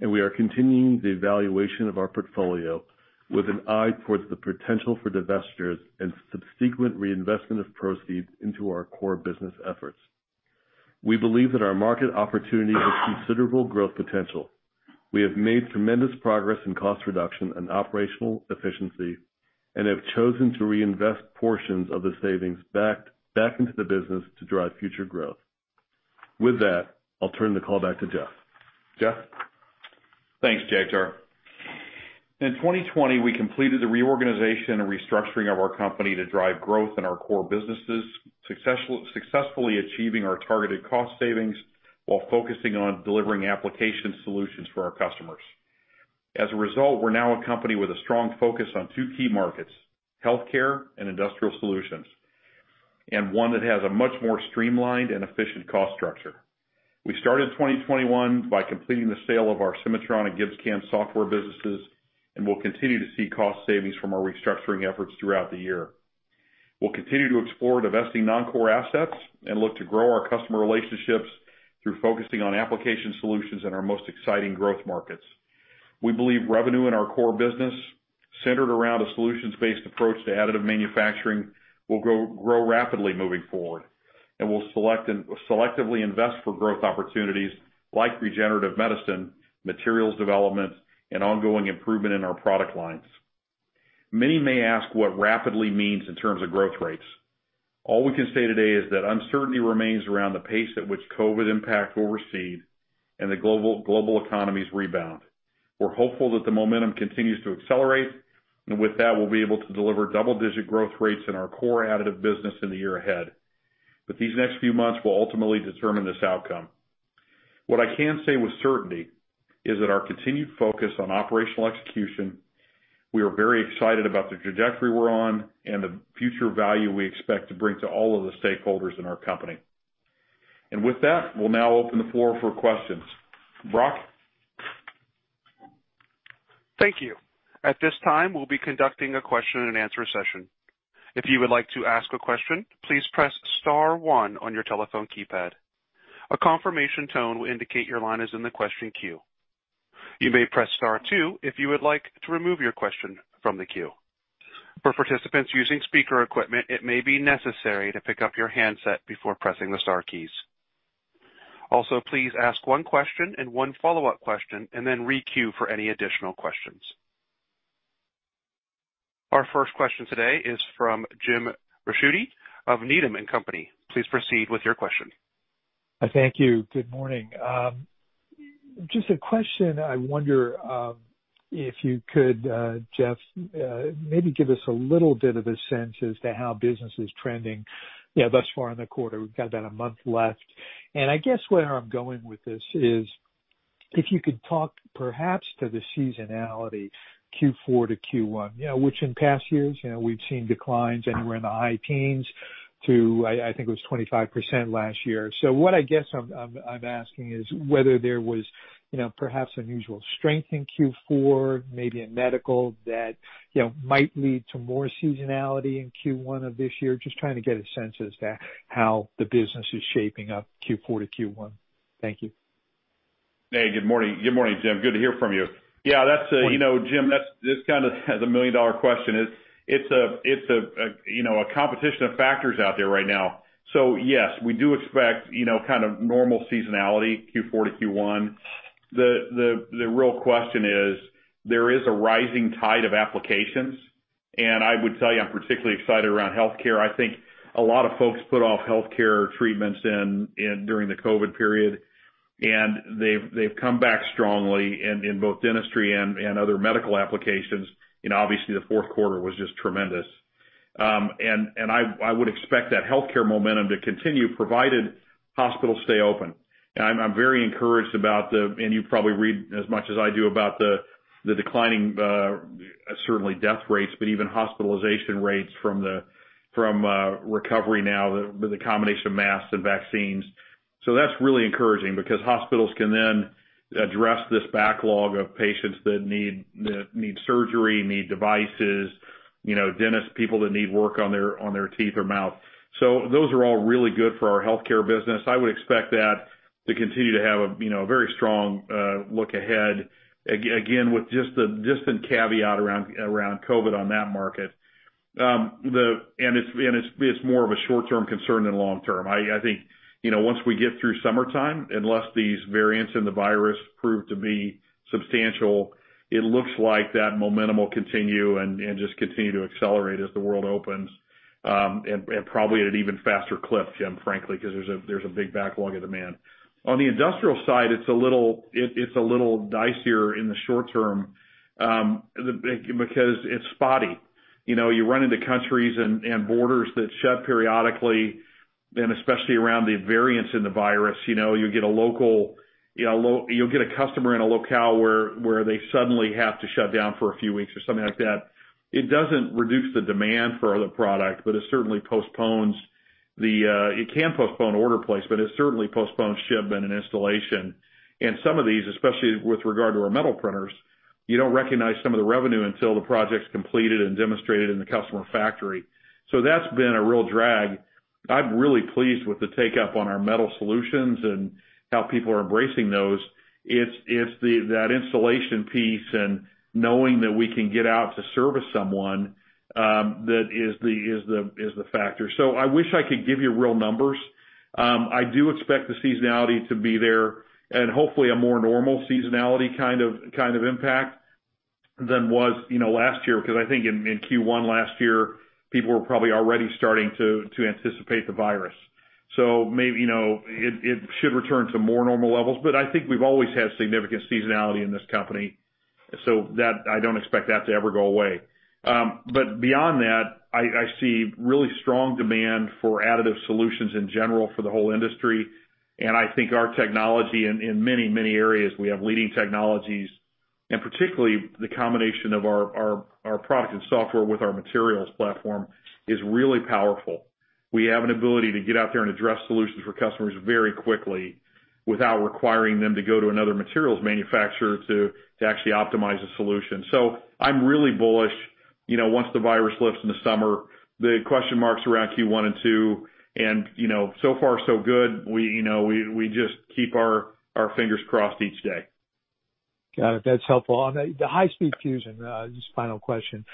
and we are continuing the evaluation of our portfolio with an eye towards the potential for divestitures and subsequent reinvestment of proceeds into our core business efforts. We believe that our market opportunity has considerable growth potential. We have made tremendous progress in cost reduction and operational efficiency and have chosen to reinvest portions of the savings back into the business to drive future growth. With that, I'll turn the call back to Jeff. Jeff? Thanks, Jagtar. In 2020, we completed the reorganization and restructuring of our company to drive growth in our core businesses, successfully achieving our targeted cost savings while focusing on delivering application solutions for our customers. As a result, we're now a company with a strong focus on two key markets: healthcare and industrial solutions, and one that has a much more streamlined and efficient cost structure. We started 2021 by completing the sale of our Cimatron and GibbsCAM software businesses and will continue to see cost savings from our restructuring efforts throughout the year. We'll continue to explore divesting non-core assets and look to grow our customer relationships through focusing on application solutions in our most exciting growth markets. We believe revenue in our core business, centered around a solutions-based approach to additive manufacturing, will grow rapidly moving forward, and we'll selectively invest for growth opportunities like regenerative medicine, materials development, and ongoing improvement in our product lines. Many may ask what rapidly means in terms of growth rates. All we can say today is that uncertainty remains around the pace at which COVID impact will recede and the global economy's rebound. We're hopeful that the momentum continues to accelerate, and with that, we'll be able to deliver double-digit growth rates in our core additive business in the year ahead. But these next few months will ultimately determine this outcome. What I can say with certainty is that our continued focus on operational execution, we are very excited about the trajectory we're on, and the future value we expect to bring to all of the stakeholders in our company. And with that, we'll now open the floor for questions. Brock? Thank you. At this time, we'll be conducting a question-and-answer session. If you would like to ask a question, please press star one on your telephone keypad. A confirmation tone will indicate your line is in the question queue. You may press star two if you would like to remove your question from the queue. For participants using speaker equipment, it may be necessary to pick up your handset before pressing the star keys. Also, please ask one question and one follow-up question, and then re-queue for any additional questions. Our first question today is from Jim Ricchiuti of Needham & Company. Please proceed with your question. Thank you. Good morning. Just a question. I wonder if you could, Jeff, maybe give us a little bit of a sense as to how business is trending thus far in the quarter. We've got about a month left. And I guess where I'm going with this is if you could talk perhaps to the seasonality Q4 to Q1, which in past years, we've seen declines anywhere in the high teens to, I think it was 25% last year. So what I guess I'm asking is whether there was perhaps unusual strength in Q4, maybe in medical, that might lead to more seasonality in Q1 of this year. Just trying to get a sense as to how the business is shaping up Q4 to Q1. Thank you. Hey, good morning. Good morning, Jim. Good to hear from you. Yeah, Jim, it's kind of the million-dollar question. It's a constellation of factors out there right now. So yes, we do expect kind of normal seasonality Q4 to Q1. The real question is there is a rising tide of applications, and I would tell you I'm particularly excited around healthcare. I think a lot of folks put off healthcare treatments during the COVID period, and they've come back strongly in both dentistry and other medical applications. And obviously, the fourth quarter was just tremendous. And I would expect that healthcare momentum to continue provided hospitals stay open. I'm very encouraged about the, and you probably read as much as I do about the declining, certainly death rates, but even hospitalization rates from the recovery now, the combination of masks and vaccines. So that's really encouraging because hospitals can then address this backlog of patients that need surgery, need devices, dentists, people that need work on their teeth or mouth. So those are all really good for our healthcare business. I would expect that to continue to have a very strong look ahead, again, with just the distant caveat around COVID on that market. And it's more of a short-term concern than long-term. I think once we get through summertime, unless these variants in the virus prove to be substantial, it looks like that momentum will continue and just continue to accelerate as the world opens, and probably at an even faster clip, Jim, frankly, because there's a big backlog of demand. On the industrial side, it's a little dicier in the short term because it's spotty. You run into countries and borders that shut periodically, and especially around the variants in the virus, you'll get a customer in a locale where they suddenly have to shut down for a few weeks or something like that. It doesn't reduce the demand for the product, but it certainly postpones it. It can postpone order placement. It certainly postpones shipment and installation. And some of these, especially with regard to our metal printers, you don't recognize some of the revenue until the project's completed and demonstrated in the customer factory. So that's been a real drag. I'm really pleased with the take-up on our metal solutions and how people are embracing those. It's that installation piece and knowing that we can get out to service someone that is the factor. So I wish I could give you real numbers. I do expect the seasonality to be there and hopefully a more normal seasonality kind of impact than was last year because I think in Q1 last year, people were probably already starting to anticipate the virus. So it should return to more normal levels, but I think we've always had significant seasonality in this company. So I don't expect that to ever go away. But beyond that, I see really strong demand for additive solutions in general for the whole industry. And I think our technology in many, many areas, we have leading technologies, and particularly the combination of our product and software with our materials platform is really powerful. We have an ability to get out there and address solutions for customers very quickly without requiring them to go to another materials manufacturer to actually optimize a solution. So I'm really bullish. Once the virus lifts in the summer, the question marks around Q1 and Q2, and so far, so good. We just keep our fingers crossed each day. Got it. That's helpful. On the High Speed Fusion, just final question.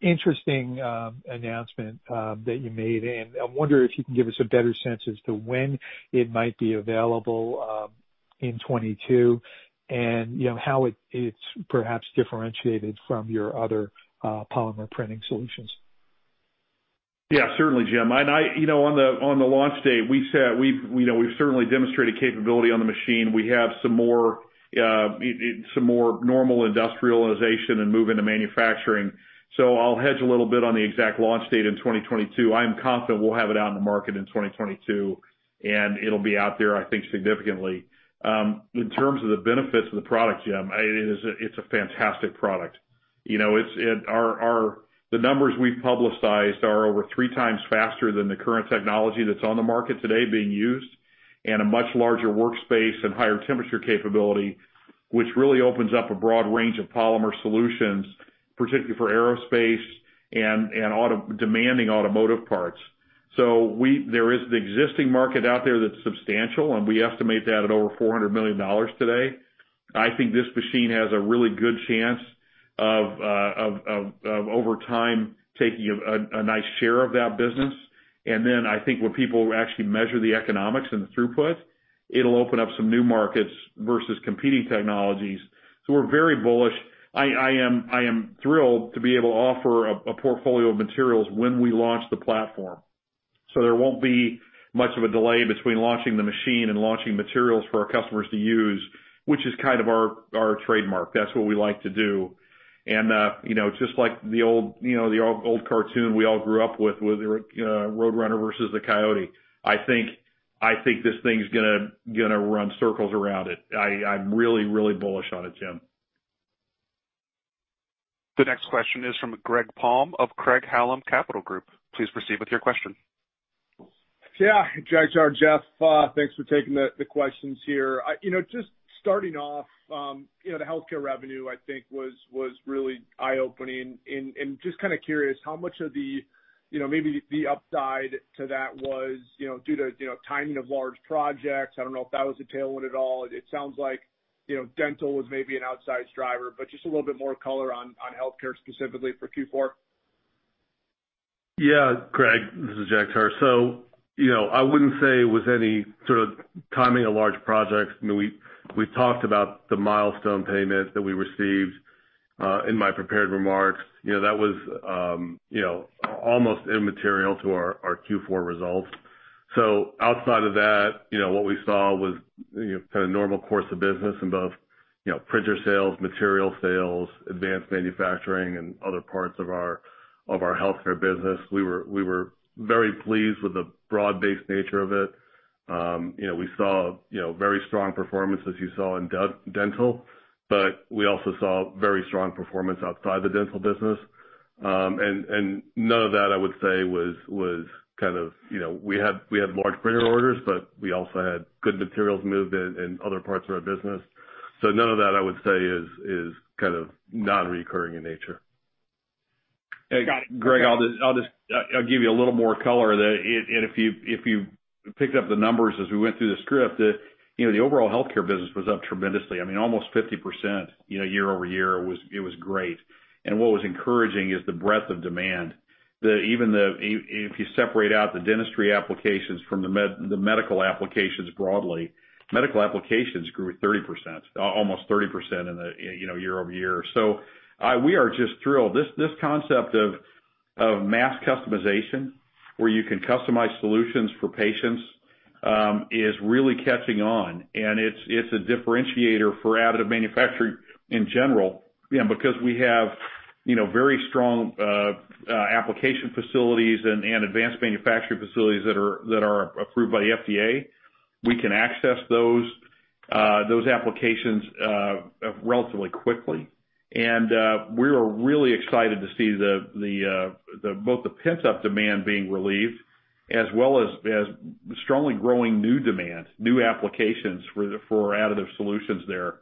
Interesting announcement that you made, and I wonder if you can give us a better sense as to when it might be available in 2022 and how it's perhaps differentiated from your other polymer printing solutions. Yeah, certainly, Jim. And on the launch date, we've certainly demonstrated capability on the machine. We have some more normal industrialization and moving to manufacturing. So I'll hedge a little bit on the exact launch date in 2022. I'm confident we'll have it out in the market in 2022, and it'll be out there, I think, significantly. In terms of the benefits of the product, Jim, it's a fantastic product. The numbers we've publicized are over three times faster than the current technology that's on the market today being used and a much larger workspace and higher temperature capability, which really opens up a broad range of polymer solutions, particularly for aerospace and demanding automotive parts. So there is an existing market out there that's substantial, and we estimate that at over $400 million today. I think this machine has a really good chance of, over time, taking a nice share of that business. And then I think when people actually measure the economics and the throughput, it'll open up some new markets versus competing technologies. So we're very bullish. I am thrilled to be able to offer a portfolio of materials when we launch the platform. So there won't be much of a delay between launching the machine and launching materials for our customers to use, which is kind of our trademark. That's what we like to do. And just like the old cartoon we all grew up with, Road Runner versus the Coyote, I think this thing's going to run circles around it. I'm really, really bullish on it, Jim. The next question is from Greg Palm of Craig-Hallum Capital Group. Please proceed with your question. Yeah. Jagtar, Jeff, thanks for taking the questions here. Just starting off, the healthcare revenue, I think, was really eye-opening. And just kind of curious, how much of the maybe the upside to that was due to timing of large projects? I don't know if that was a tailwind at all. It sounds like dental was maybe an outsized driver, but just a little bit more color on healthcare specifically for Q4. Yeah, Greg, this is Jagtar. So I wouldn't say with any sort of timing of large projects, we've talked about the milestone payment that we received in my prepared remarks. That was almost immaterial to our Q4 results. So outside of that, what we saw was kind of normal course of business in both printer sales, material sales, advanced manufacturing, and other parts of our healthcare business. We were very pleased with the broad-based nature of it. We saw very strong performance, as you saw in dental, but we also saw very strong performance outside the dental business. And none of that, I would say, was kind of we had large printer orders, but we also had good materials moved in other parts of our business. So none of that, I would say, is kind of non-recurring in nature. Got it. Greg, I'll give you a little more color. And if you picked up the numbers as we went through the script, the overall healthcare business was up tremendously. I mean, almost 50% year-over-year. It was great. And what was encouraging is the breadth of demand. Even if you separate out the dentistry applications from the medical applications broadly, medical applications grew 30%, almost 30% year-over-year. So we are just thrilled. This concept of mass customization, where you can customize solutions for patients, is really catching on. And it's a differentiator for additive manufacturing in general. Because we have very strong application facilities and advanced manufacturing facilities that are approved by the FDA, we can access those applications relatively quickly. And we are really excited to see both the pent-up demand being relieved as well as strongly growing new demand, new applications for additive solutions there.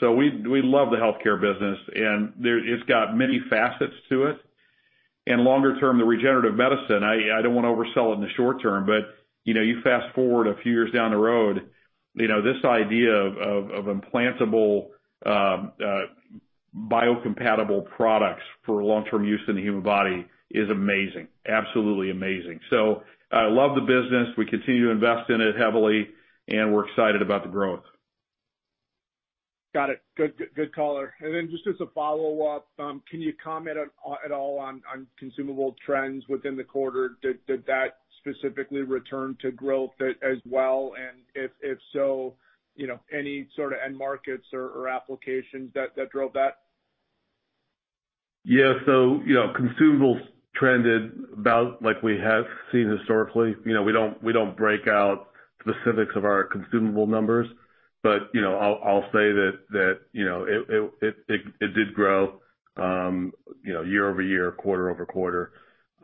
So we love the healthcare business, and it's got many facets to it. And longer term, the regenerative medicine, I don't want to oversell it in the short term, but you fast forward a few years down the road, this idea of implantable biocompatible products for long-term use in the human body is amazing, absolutely amazing. So I love the business. We continue to invest in it heavily, and we're excited about the growth. Got it. Good color. And then just as a follow-up, can you comment at all on consumable trends within the quarter? Did that specifically return to growth as well? And if so, any sort of end markets or applications that drove that? Yeah. So consumables trended about like we have seen historically. We don't break out specifics of our consumable numbers, but I'll say that it did grow year-over-year, quarter-over-quarter.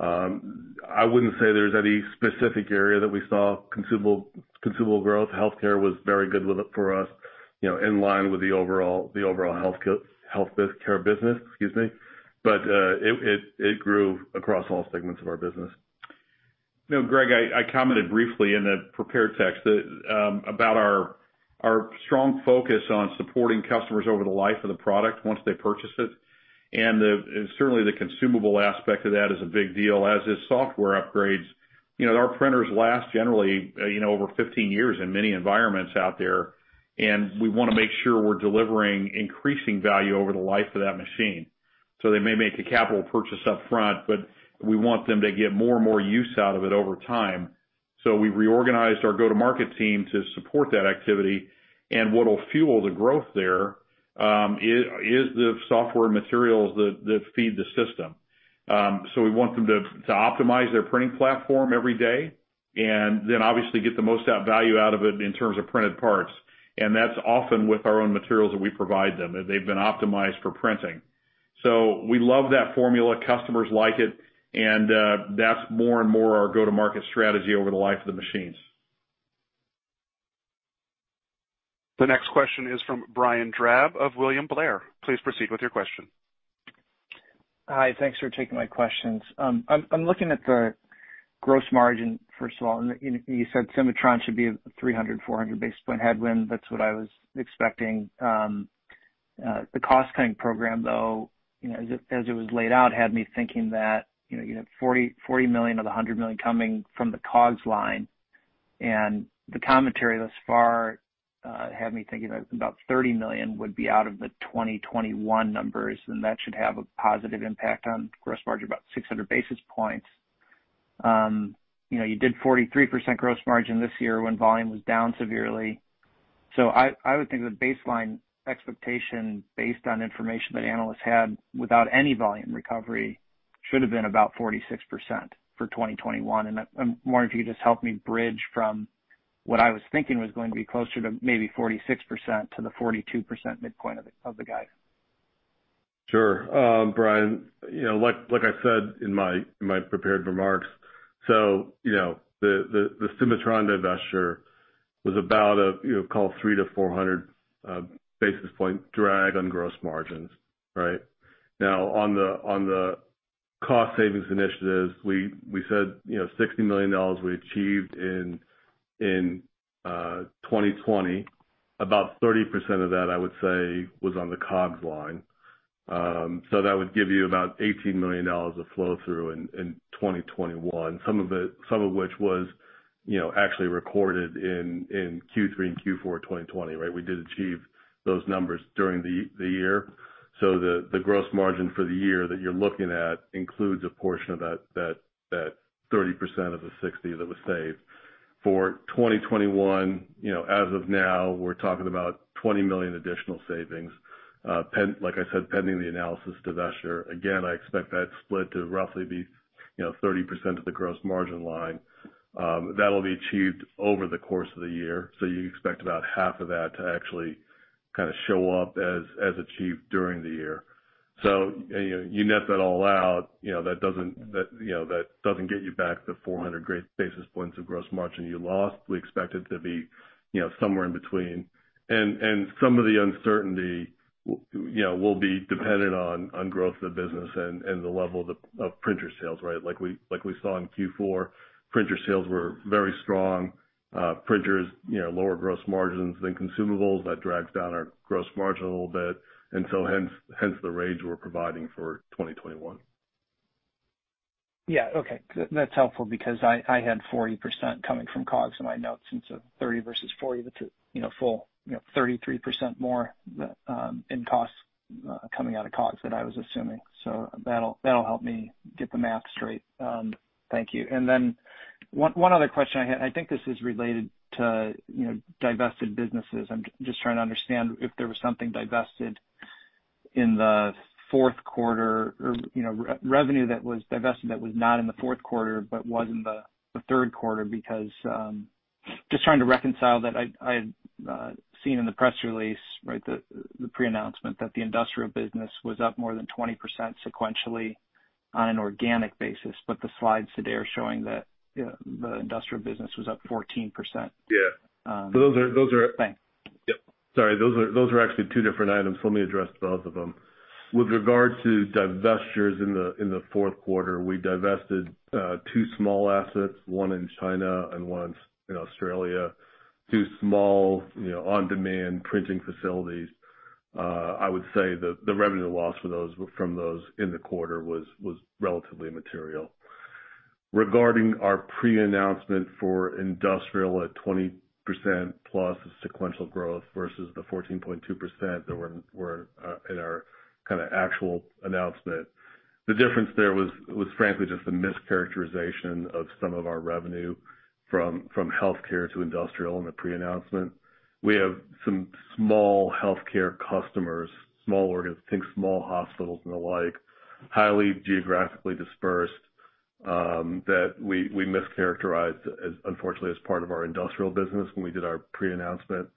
I wouldn't say there's any specific area that we saw consumable growth. Healthcare was very good for us in line with the overall healthcare business, excuse me. But it grew across all segments of our business. Greg, I commented briefly in the prepared text about our strong focus on supporting customers over the life of the product once they purchase it. And certainly, the consumable aspect of that is a big deal, as is software upgrades. Our printers last generally over 15 years in many environments out there, and we want to make sure we're delivering increasing value over the life of that machine. So they may make a capital purchase upfront, but we want them to get more and more use out of it over time. So we reorganized our go-to-market team to support that activity. And what will fuel the growth there is the software materials that feed the system. So we want them to optimize their printing platform every day and then obviously get the most value out of it in terms of printed parts. And that's often with our own materials that we provide them. They've been optimized for printing. So we love that formula. Customers like it. And that's more and more our go-to-market strategy over the life of the machines. The next question is from Brian Drab of William Blair. Please proceed with your question. Hi. Thanks for taking my questions. I'm looking at the gross margin, first of all. You said Cimatron should be a 300-400 basis point headwind. That's what I was expecting. The cost-cutting program, though, as it was laid out, had me thinking that you had $40 million of the $100 million coming from the COGS line. And the commentary thus far had me thinking that about $30 million would be out of the 2021 numbers, and that should have a positive impact on gross margin, about 600 basis points. You did 43% gross margin this year when volume was down severely. So I would think the baseline expectation based on information that analysts had without any volume recovery should have been about 46% for 2021. And I'm wondering if you could just help me bridge from what I was thinking was going to be closer to maybe 46% to the 42% midpoint of the guide. Sure. Brian, like I said in my prepared remarks, so the Cimatron divestiture was about a, call it, 300-400 basis point drag on gross margins, right? Now, on the cost savings initiatives, we said $60 million we achieved in 2020. About 30% of that, I would say, was on the COGS line. So that would give you about $18 million of flow-through in 2021, some of which was actually recorded in Q3 and Q4 2020, right? We did achieve those numbers during the year. So the gross margin for the year that you're looking at includes a portion of that 30% of the $60 million that was saved. For 2021, as of now, we're talking about $20 million additional savings. Like I said, pending the [analysis divestiture], again, I expect that split to roughly be 30% of the gross margin line. That'll be achieved over the course of the year. So you expect about half of that to actually kind of show up as achieved during the year. So you net that all out, that doesn't get you back to 400 basis points of gross margin you lost. We expect it to be somewhere in between. And some of the uncertainty will be dependent on growth of the business and the level of printer sales, right? Like we saw in Q4, printer sales were very strong. Printers lower gross margins than consumables. That drags down our gross margin a little bit. And so hence the range we're providing for 2021. Yeah. Okay. That's helpful because I had 40% coming from COGS in my notes. And so 30% versus 40%, that's a full 33% more in costs coming out of COGS that I was assuming. So that'll help me get the math straight. Thank you. Then one other question I had, I think this is related to divested businesses. I'm just trying to understand if there was something divested in the fourth quarter or revenue that was divested that was not in the fourth quarter but was in the third quarter because just trying to reconcile that I had seen in the press release, right, the pre-announcement that the industrial business was up more than 20% sequentially on an organic basis, but the slides today are showing that the industrial business was up 14%. Yeah. So those are, thank you. Yep. Sorry. Those are actually two different items. Let me address both of them. With regard to divestitures in the fourth quarter, we divested two small assets, one in China and one in Australia, two small on-demand printing facilities. I would say the revenue loss from those in the quarter was relatively material. Regarding our pre-announcement for industrial at 20% plus of sequential growth versus the 14.2% that were in our kind of actual announcement, the difference there was, frankly, just the mischaracterization of some of our revenue from healthcare to industrial in the pre-announcement. We have some small healthcare customers, small organizations, I think small hospitals and the like, highly geographically dispersed that we mischaracterized, unfortunately, as part of our industrial business when we did our pre-announcement.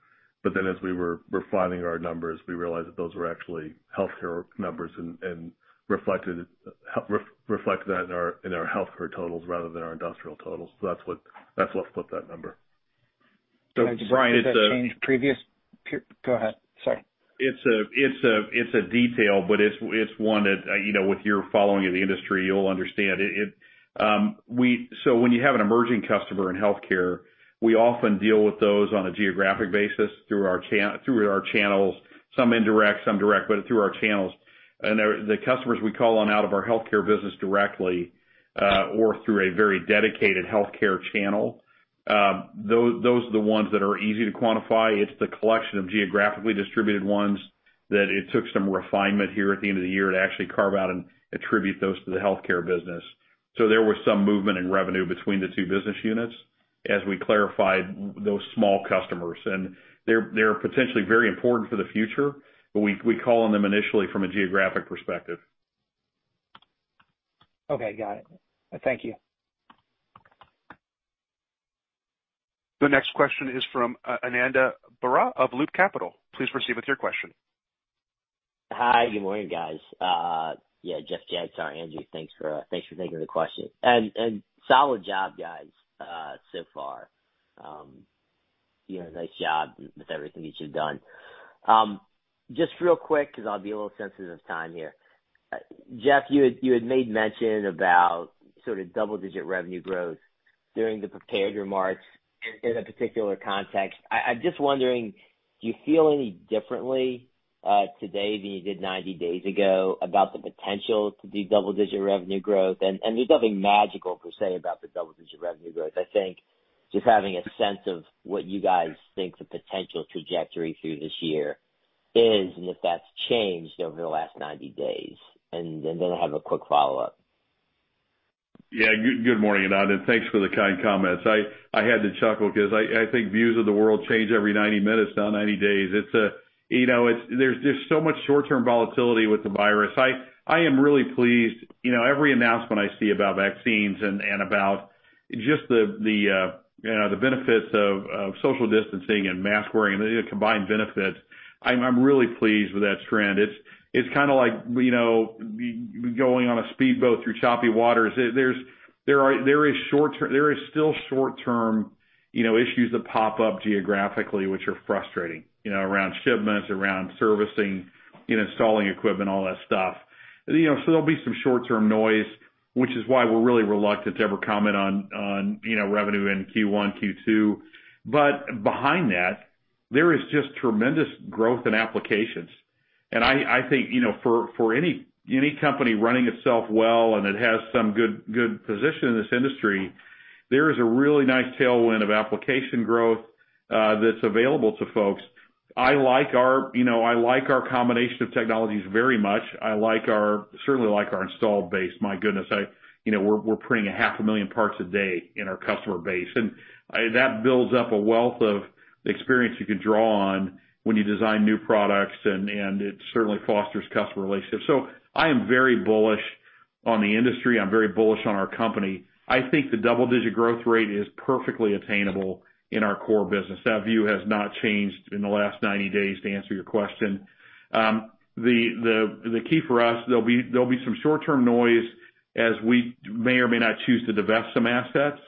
But then as we were refining our numbers, we realized that those were actually healthcare numbers and reflected that in our healthcare totals rather than our industrial totals. So that's what flipped that number. So Brian, is that. Go ahead. Sorry. It's a detail, but it's one that with your following of the industry, you'll understand. So when you have an emerging customer in healthcare, we often deal with those on a geographic basis through our channels, some indirect, some direct, but through our channels. And the customers we call on out of our healthcare business directly or through a very dedicated healthcare channel, those are the ones that are easy to quantify. It's the collection of geographically distributed ones that it took some refinement here at the end of the year to actually carve out and attribute those to the healthcare business. So there was some movement in revenue between the two business units as we clarified those small customers. And they're potentially very important for the future, but we call on them initially from a geographic perspective. Okay. Got it. Thank you. The next question is from Ananda Baruah of Loop Capital. Please proceed with your question. Hi. Good morning, guys. Yeah. Jeff, Jagtar, Andrew, thanks for taking the question and solid job, guys, so far. Nice job with everything that you've done. Just real quick, because I'll be a little sensitive of time here. Jeff, you had made mention about sort of double-digit revenue growth during the prepared remarks in a particular context. I'm just wondering, do you feel any differently today than you did 90 days ago about the potential to do double-digit revenue growth? There's nothing magical, per se, about the double-digit revenue growth. I think just having a sense of what you guys think the potential trajectory through this year is and if that's changed over the last 90 days. Then I have a quick follow-up. Yeah. Good morning, Ananda. Thanks for the kind comments. I had to chuckle because I think views of the world change every 90 minutes, not 90 days. There's so much short-term volatility with the virus. I am really pleased. Every announcement I see about vaccines and about just the benefits of social distancing and mask-wearing and the combined benefits, I'm really pleased with that trend. It's kind of like going on a speedboat through choppy waters. There is still short-term issues that pop up geographically, which are frustrating around shipments, around servicing, installing equipment, all that stuff. So there'll be some short-term noise, which is why we're really reluctant to ever comment on revenue in Q1, Q2. But behind that, there is just tremendous growth in applications. And I think for any company running itself well and that has some good position in this industry, there is a really nice tailwind of application growth that's available to folks. I like our combination of technologies very much. I certainly like our installed base. My goodness, we're printing 500,000 parts a day in our customer base. And that builds up a wealth of experience you can draw on when you design new products, and it certainly fosters customer relationships. So I am very bullish on the industry. I'm very bullish on our company. I think the double-digit growth rate is perfectly attainable in our core business. That view has not changed in the last 90 days, to answer your question. The key for us, there'll be some short-term noise as we may or may not choose to divest some assets.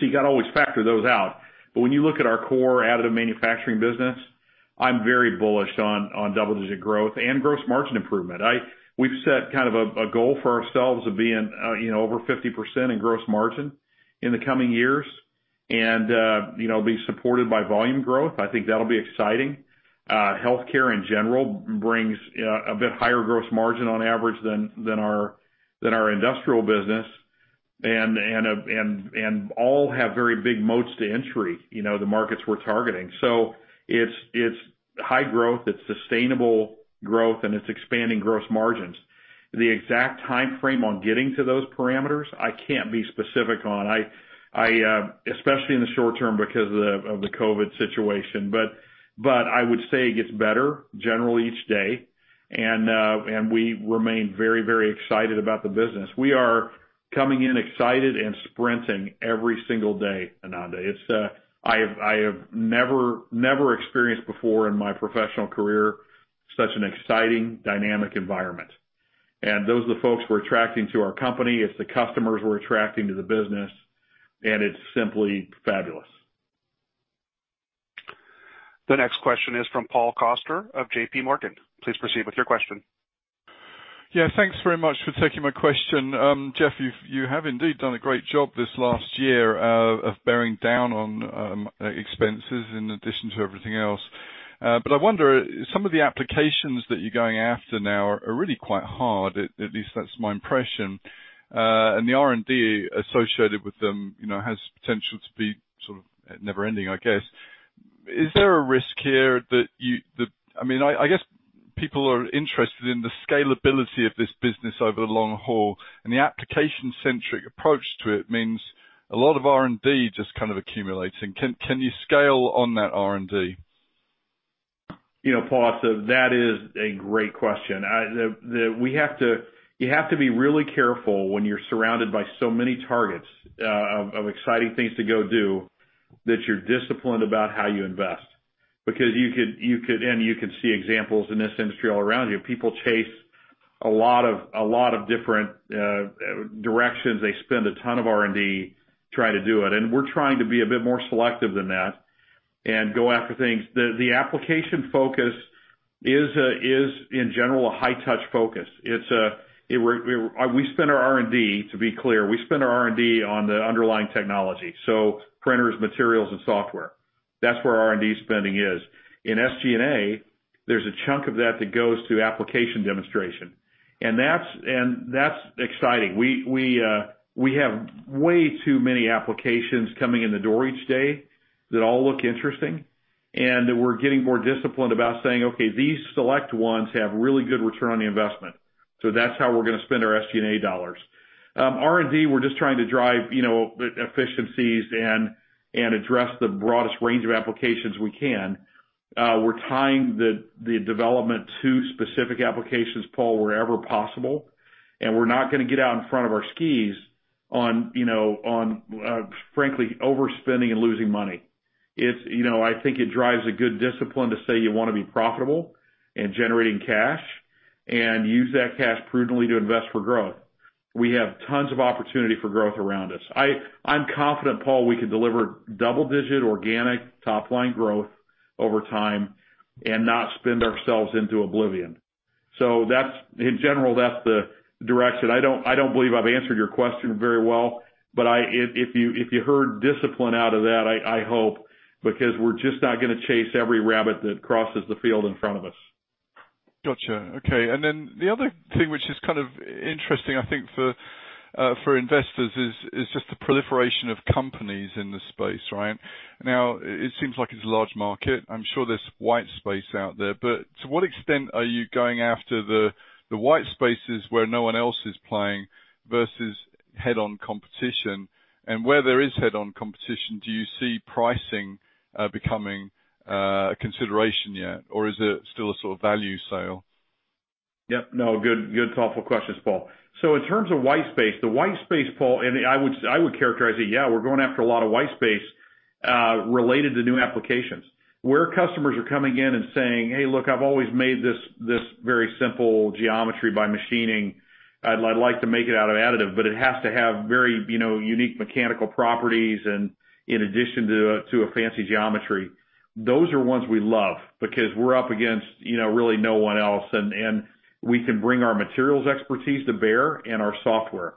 So you got to always factor those out. But when you look at our core additive manufacturing business, I'm very bullish on double-digit growth and gross margin improvement. We've set kind of a goal for ourselves of being over 50% in gross margin in the coming years and be supported by volume growth. I think that'll be exciting. Healthcare in general brings a bit higher gross margin on average than our industrial business and all have very big moats to entry the markets we're targeting. So it's high growth. It's sustainable growth, and it's expanding gross margins. The exact timeframe on getting to those parameters, I can't be specific on, especially in the short term because of the COVID situation. But I would say it gets better generally each day, and we remain very, very excited about the business. We are coming in excited and sprinting every single day, Ananda. I have never experienced before in my professional career such an exciting, dynamic environment and those are the folks we're attracting to our company. It's the customers we're attracting to the business, and it's simply fabulous. The next question is from Paul Coster of JPMorgan. Please proceed with your question. Yeah. Thanks very much for taking my question. Jeff, you have indeed done a great job this last year of bearing down on expenses in addition to everything else. But I wonder, some of the applications that you're going after now are really quite hard. At least that's my impression. And the R&D associated with them has potential to be sort of never-ending, I guess. Is there a risk here that you—I mean, I guess people are interested in the scalability of this business over the long haul. And the application-centric approach to it means a lot of R&D just kind of accumulating. Can you scale on that R&D? Paul, so that is a great question. You have to be really careful when you're surrounded by so many targets of exciting things to go do that you're disciplined about how you invest. Because you could, and you can see examples in this industry all around you. People chase a lot of different directions. They spend a ton of R&D trying to do it. And we're trying to be a bit more selective than that and go after things. The application focus is, in general, a high-touch focus. We spend our R&D, to be clear, we spend our R&D on the underlying technology, so printers, materials, and software. That's where our R&D spending is. In SG&A, there's a chunk of that that goes to application demonstration. And that's exciting. We have way too many applications coming in the door each day that all look interesting. And we're getting more disciplined about saying, "Okay, these select ones have really good return on the investment." So that's how we're going to spend our SG&A dollars. R&D, we're just trying to drive efficiencies and address the broadest range of applications we can. We're tying the development to specific applications, Paul, wherever possible. And we're not going to get out in front of our skis on, frankly, overspending and losing money. I think it drives a good discipline to say you want to be profitable and generating cash and use that cash prudently to invest for growth. We have tons of opportunity for growth around us. I'm confident, Paul, we can deliver double-digit organic top-line growth over time and not spend ourselves into oblivion. So in general, that's the direction. I don't believe I've answered your question very well, but if you heard discipline out of that, I hope, because we're just not going to chase every rabbit that crosses the field in front of us. Gotcha. Okay, and then the other thing, which is kind of interesting, I think, for investors is just the proliferation of companies in the space, right? Now, it seems like it's a large market. I'm sure there's white space out there. But to what extent are you going after the white spaces where no one else is playing versus head-on competition? And where there is head-on competition, do you see pricing becoming a consideration yet? Or is it still a sort of value sale? Yep. No, good thoughtful questions, Paul. So in terms of white space, the white space, Paul, and I would characterize it, yeah, we're going after a lot of white space related to new applications. Where customers are coming in and saying, "Hey, look, I've always made this very simple geometry by machining. I'd like to make it out of additive, but it has to have very unique mechanical properties in addition to a fancy geometry." Those are ones we love because we're up against really no one else. And we can bring our materials expertise to bear and our software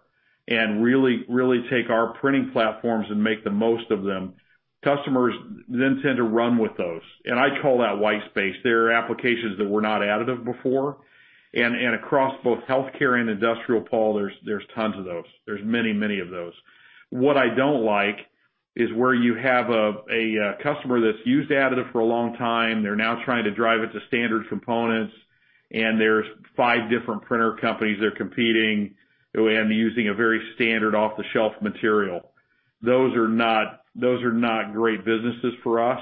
and really take our printing platforms and make the most of them. Customers then tend to run with those. And I call that white space. There are applications that were not additive before. And across both healthcare and industrial, Paul, there's tons of those. There's many, many of those. What I don't like is where you have a customer that's used additive for a long time. They're now trying to drive it to standard components, and there's five different printer companies that are competing and using a very standard off-the-shelf material. Those are not great businesses for us.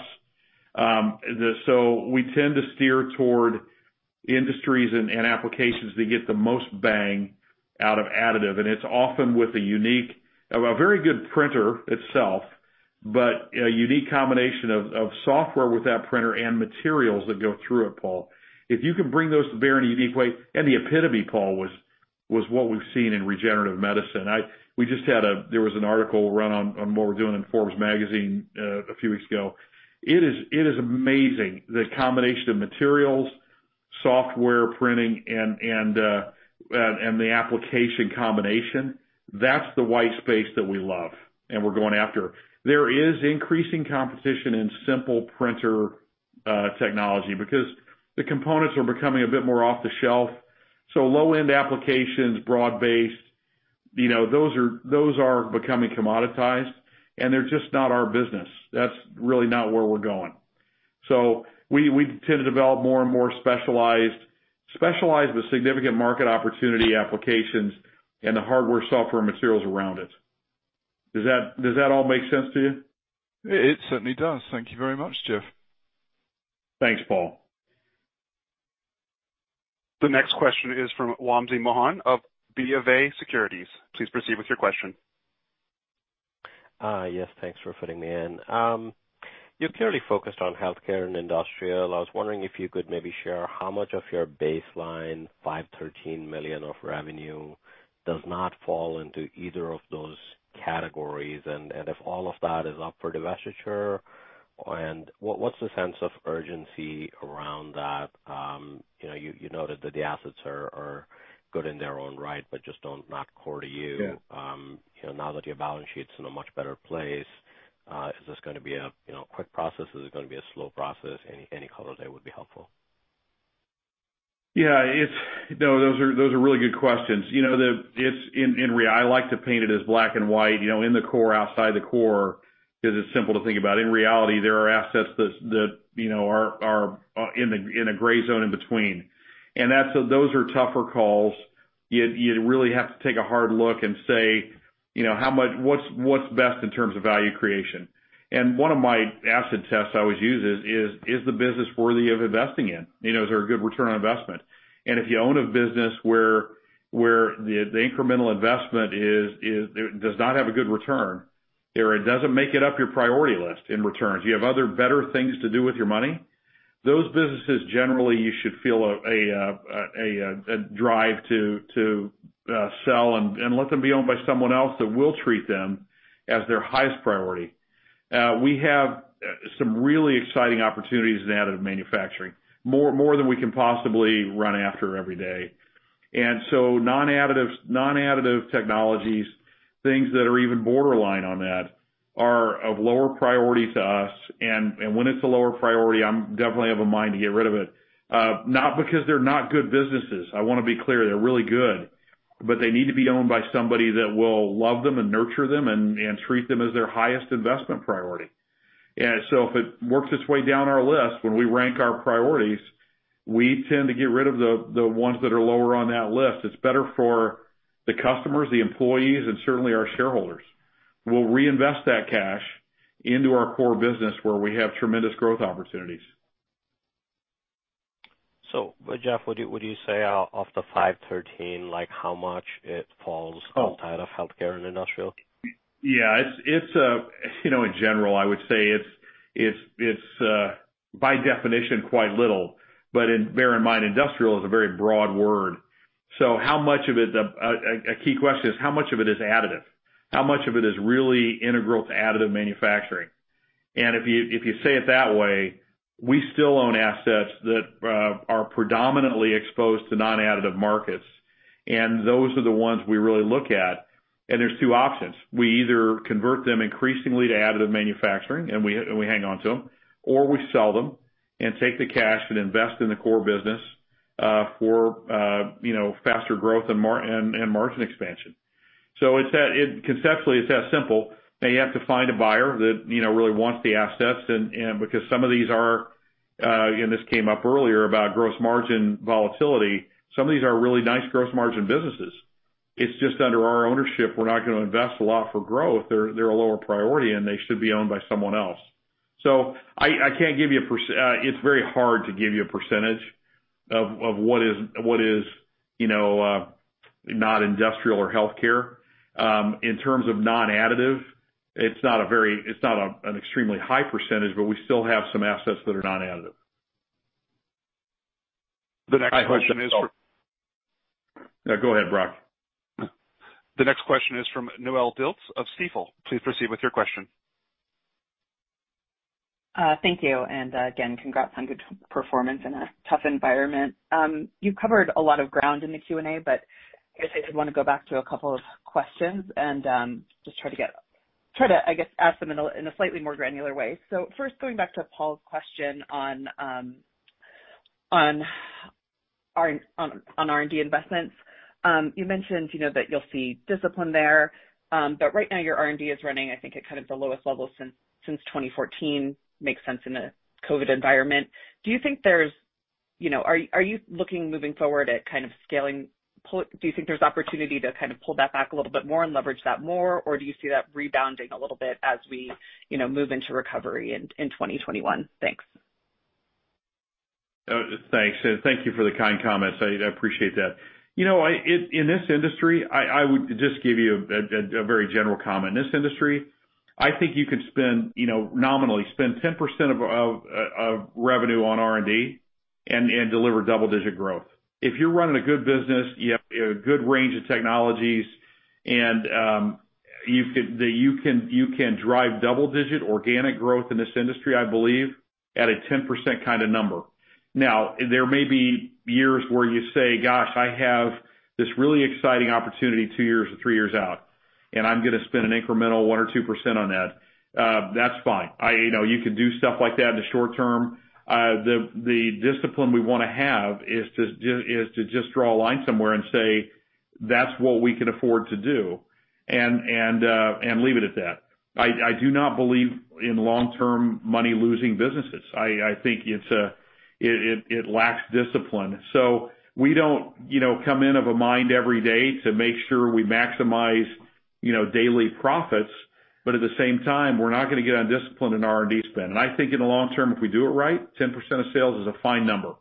So we tend to steer toward industries and applications that get the most bang out of additive. And it's often with a very good printer itself, but a unique combination of software with that printer and materials that go through it, Paul. If you can bring those to bear in a unique way, and the epitome, Paul, was what we've seen in regenerative medicine. We just had a. There was an article run on what we're doing in Forbes magazine a few weeks ago. It is amazing. The combination of materials, software, printing, and the application combination, that's the white space that we love and we're going after. There is increasing competition in simple printer technology because the components are becoming a bit more off-the-shelf. So low-end applications, broad-based, those are becoming commoditized, and they're just not our business. That's really not where we're going. So we tend to develop more and more specialized with significant market opportunity applications and the hardware, software, and materials around it. Does that all make sense to you? It certainly does. Thank you very much, Jeff. Thanks, Paul. The next question is from Wamsi Mohan of BofA Securities. Please proceed with your question. Yes. Thanks for fitting me in. You've clearly focused on healthcare and industrial. I was wondering if you could maybe share how much of your baseline $513 million of revenue does not fall into either of those categories? And if all of that is up for divestiture, what's the sense of urgency around that? You noted that the assets are good in their own right but just not core to you. Now that your balance sheet's in a much better place, is this going to be a quick process? Is it going to be a slow process? Any color of day would be helpful. Yeah. No, those are really good questions. In reality, I like to paint it as black and white, in the core, outside the core, because it's simple to think about. In reality, there are assets that are in a gray zone in between. And those are tougher calls. You really have to take a hard look and say, "How much? What's best in terms of value creation?" And one of my asset tests I always use is, "Is the business worthy of investing in? Is there a good return on investment?" and if you own a business where the incremental investment does not have a good return or it doesn't make it up your priority list in returns, you have other better things to do with your money, those businesses, generally, you should feel a drive to sell and let them be owned by someone else that will treat them as their highest priority. We have some really exciting opportunities in additive manufacturing, more than we can possibly run after every day, and so non-additive technologies, things that are even borderline on that, are of lower priority to us, and when it's a lower priority, I definitely have a mind to get rid of it. Not because they're not good businesses. I want to be clear. They're really good, but they need to be owned by somebody that will love them and nurture them and treat them as their highest investment priority. And so if it works its way down our list, when we rank our priorities, we tend to get rid of the ones that are lower on that list. It's better for the customers, the employees, and certainly our shareholders. We'll reinvest that cash into our core business where we have tremendous growth opportunities. So, Jeff, would you say off the $513 million, how much it falls outside of healthcare and industrial? Yeah. In general, I would say it's, by definition, quite little. But bear in mind, industrial is a very broad word. So how much of it, a key question is, how much of it is additive? How much of it is really integral to additive manufacturing? And if you say it that way, we still own assets that are predominantly exposed to non-additive markets. And those are the ones we really look at. And there's two options. We either convert them increasingly to additive manufacturing, and we hang on to them, or we sell them and take the cash and invest in the core business for faster growth and margin expansion. So conceptually, it's that simple. Now, you have to find a buyer that really wants the assets. And because some of these are, and this came up earlier about gross margin volatility, some of these are really nice gross margin businesses. It's just under our ownership. We're not going to invest a lot for growth. They're a lower priority, and they should be owned by someone else. So I can't give you a. It's very hard to give you a percentage of what is not industrial or healthcare. In terms of non-additive, it's not an extremely high percentage, but we still have some assets that are non-additive. The next question is from. No, go ahead, Brock. The next question is from Noelle Dilts of Stifel. Please proceed with your question. Thank you and again, congrats on good performance in a tough environment. You covered a lot of ground in the Q&A, but I guess I did want to go back to a couple of questions and just try to get, try to, I guess, ask them in a slightly more granular way so first, going back to Paul's question on R&D investments, you mentioned that you'll see discipline there but right now, your R&D is running, I think, at kind of the lowest level since 2014. Makes sense in a COVID environment. Do you think there's, are you looking moving forward at kind of scaling? Do you think there's opportunity to kind of pull that back a little bit more and leverage that more? Or do you see that rebounding a little bit as we move into recovery in 2021? Thanks. Thanks. And thank you for the kind comments. I appreciate that. In this industry, I would just give you a very general comment. In this industry, I think you can nominally spend 10% of revenue on R&D and deliver double-digit growth. If you're running a good business, you have a good range of technologies, and you can drive double-digit organic growth in this industry, I believe, at a 10% kind of number. Now, there may be years where you say, "Gosh, I have this really exciting opportunity two years or three years out, and I'm going to spend an incremental 1% or 2% on that." That's fine. You can do stuff like that in the short term. The discipline we want to have is to just draw a line somewhere and say, "That's what we can afford to do," and leave it at that. I do not believe in long-term money-losing businesses. I think it lacks discipline. So we don't come in of a mind every day to make sure we maximize daily profits, but at the same time, we're not going to get undisciplined in R&D spend. And I think in the long term, if we do it right, 10% of sales is a fine number.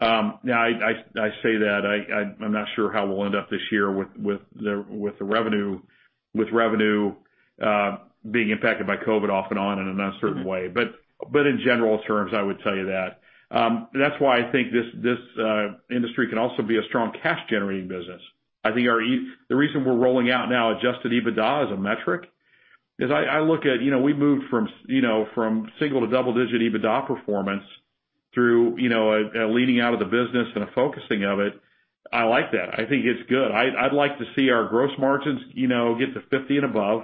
Now, I say that. I'm not sure how we'll end up this year with the revenue being impacted by COVID off and on in an uncertain way. But in general terms, I would tell you that. That's why I think this industry can also be a strong cash-generating business. I think the reason we're rolling out now adjusted EBITDA as a metric is, I look at, we moved from single to double-digit EBITDA performance through a leaning out of the business and a focusing of it. I like that. I think it's good. I'd like to see our gross margins get to 50% and above.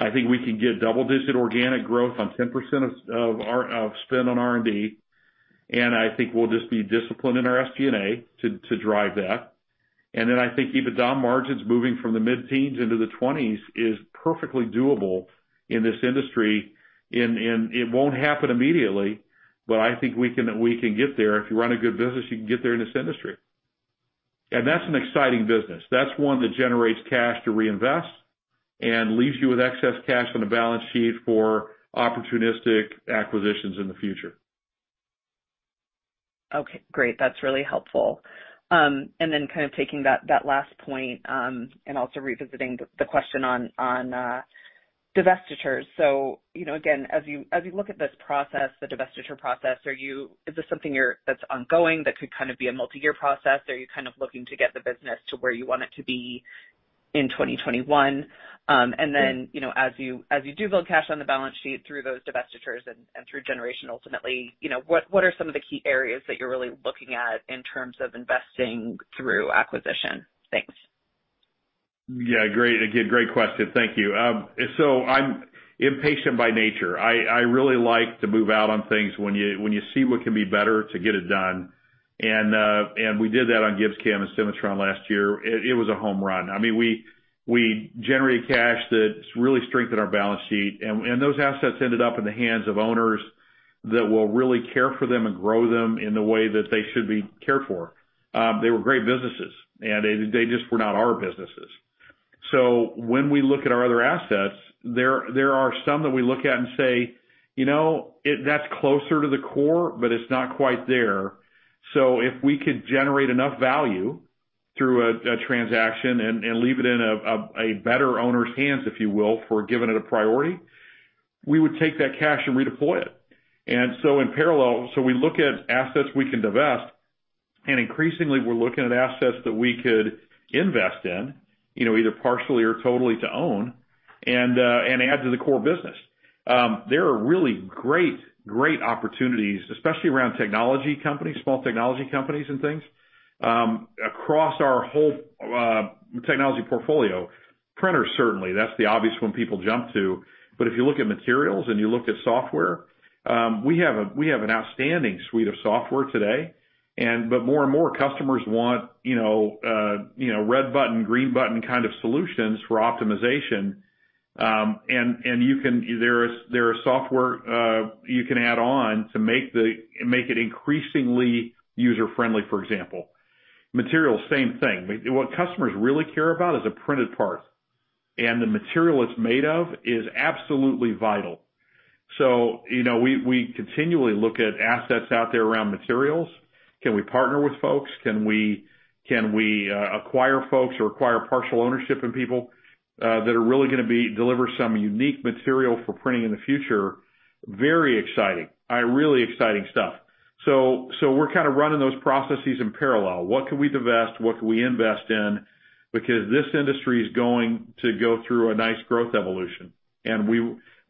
I think we can get double-digit organic growth on 10% of spend on R&D, and I think we'll just be disciplined in our SG&A to drive that, and then I think EBITDA margins moving from the mid-teens into the 20s is perfectly doable in this industry. And it won't happen immediately, but I think we can get there. If you run a good business, you can get there in this industry, and that's an exciting business. That's one that generates cash to reinvest and leaves you with excess cash on the balance sheet for opportunistic acquisitions in the future. Okay. Great. That's really helpful. And then kind of taking that last point and also revisiting the question on divestitures. So again, as you look at this process, the divestiture process, is this something that's ongoing that could kind of be a multi-year process? Are you kind of looking to get the business to where you want it to be in 2021? And then as you do build cash on the balance sheet through those divestitures and through generation, ultimately, what are some of the key areas that you're really looking at in terms of investing through acquisition? Thanks. Yeah. Great. Again, great question. Thank you. So I'm impatient by nature. I really like to move out on things when you see what can be better to get it done. And we did that on GibbsCAM and Cimatron last year. It was a home run. I mean, we generated cash that really strengthened our balance sheet. And those assets ended up in the hands of owners that will really care for them and grow them in the way that they should be cared for. They were great businesses, and they just were not our businesses. So when we look at our other assets, there are some that we look at and say, "That's closer to the core, but it's not quite there." So if we could generate enough value through a transaction and leave it in a better owner's hands, if you will, for giving it a priority, we would take that cash and redeploy it. And so in parallel, so we look at assets we can divest. And increasingly, we're looking at assets that we could invest in, either partially or totally to own and add to the core business. There are really great, great opportunities, especially around technology companies, small technology companies and things, across our whole technology portfolio. Printers, certainly. That's the obvious one people jump to. But if you look at materials and you look at software, we have an outstanding suite of software today. But more and more, customers want red button, green button kind of solutions for optimization. And there are software you can add on to make it increasingly user-friendly, for example. Materials, same thing. What customers really care about is a printed part. And the material it's made of is absolutely vital. So we continually look at assets out there around materials. Can we partner with folks? Can we acquire folks or acquire partial ownership in people that are really going to deliver some unique material for printing in the future? Very exciting. Really exciting stuff. So we're kind of running those processes in parallel. What can we divest? What can we invest in? Because this industry is going to go through a nice growth evolution. And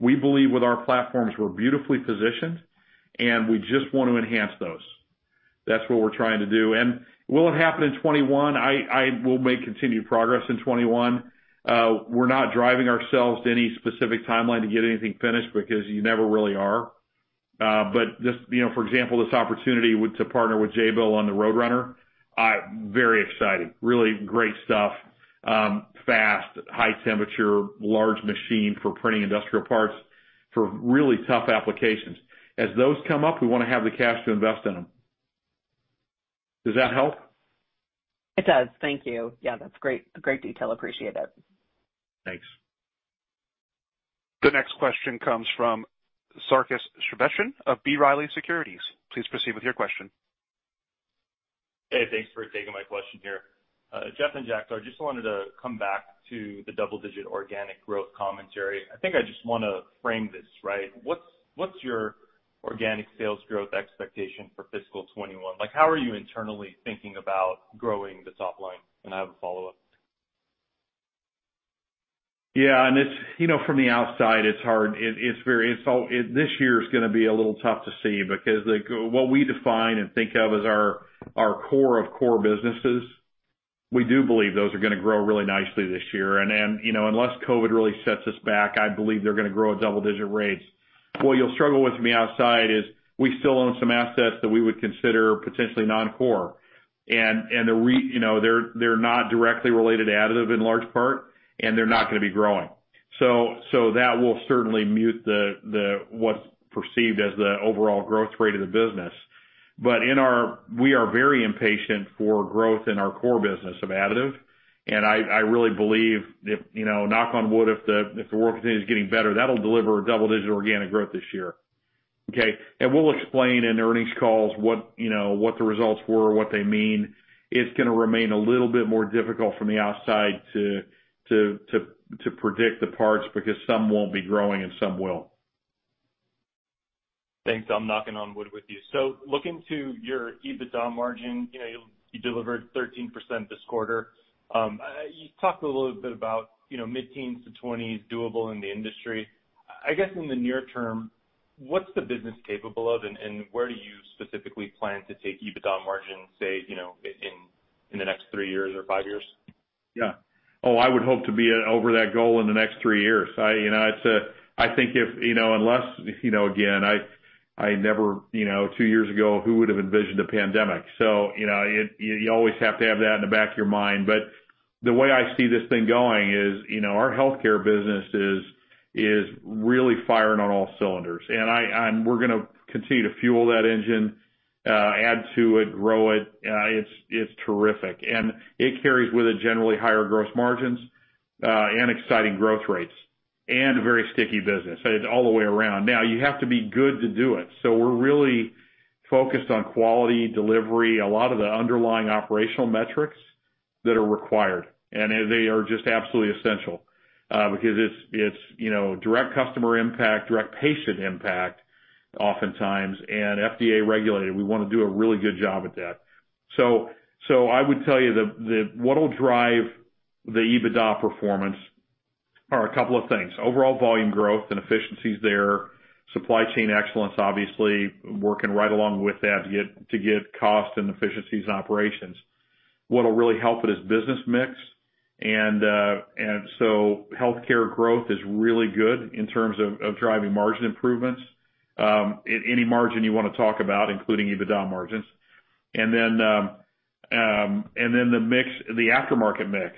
we believe with our platforms, we're beautifully positioned, and we just want to enhance those. That's what we're trying to do. And will it happen in 2021? We'll make continued progress in 2021. We're not driving ourselves to any specific timeline to get anything finished because you never really are. But for example, this opportunity to partner with Jabil on the Roadrunner, very exciting. Really great stuff. Fast, high-temperature, large machine for printing industrial parts for really tough applications. As those come up, we want to have the cash to invest in them. Does that help? It does. Thank you. Yeah, that's great detail. Appreciate it. Thanks. The next question comes from Sarkis Sherbetchyan of B. Riley Securities. Please proceed with your question. Hey, thanks for taking my question here. Jeff and Jag, I just wanted to come back to the double-digit organic growth commentary. I think I just want to frame this, right? What's your organic sales growth expectation for fiscal 2021? How are you internally thinking about growing the top line? And I have a follow-up. Yeah. And from the outside, it's hard. This year is going to be a little tough to see because what we define and think of as our core of core businesses, we do believe those are going to grow really nicely this year. And unless COVID really sets us back, I believe they're going to grow at double-digit rates. What you'll struggle with from the outside is we still own some assets that we would consider potentially non-core. And they're not directly related to additive in large part, and they're not going to be growing. So that will certainly mute what's perceived as the overall growth rate of the business. But we are very impatient for growth in our core business of additive. And I really believe, knock on wood, if the world continues getting better, that'll deliver double-digit organic growth this year. Okay? And we'll explain in earnings calls what the results were, what they mean. It's going to remain a little bit more difficult from the outside to predict the parts because some won't be growing and some will. Thanks. I'm knocking on wood with you. Looking to your EBITDA margin, you delivered 13% this quarter. You talked a little bit about mid-teens to 20s doable in the industry. I guess in the near term, what's the business capable of, and where do you specifically plan to take EBITDA margin, say, in the next three years or five years? Yeah. Oh, I would hope to be over that goal in the next three years. I think if unless, again, I mean two years ago, who would have envisioned a pandemic? You always have to have that in the back of your mind. But the way I see this thing going is our healthcare business is really firing on all cylinders. We're going to continue to fuel that engine, add to it, grow it. It's terrific. And it carries with it generally higher gross margins and exciting growth rates and a very sticky business all the way around. Now, you have to be good to do it. So we're really focused on quality delivery, a lot of the underlying operational metrics that are required. And they are just absolutely essential because it's direct customer impact, direct patient impact oftentimes, and FDA regulated. We want to do a really good job at that. So I would tell you that what will drive the EBITDA performance are a couple of things: overall volume growth and efficiencies there, supply chain excellence, obviously, working right along with that to get cost and efficiencies and operations. What will really help it is business mix. And so healthcare growth is really good in terms of driving margin improvements, any margin you want to talk about, including EBITDA margins. And then the mix, the aftermarket mix,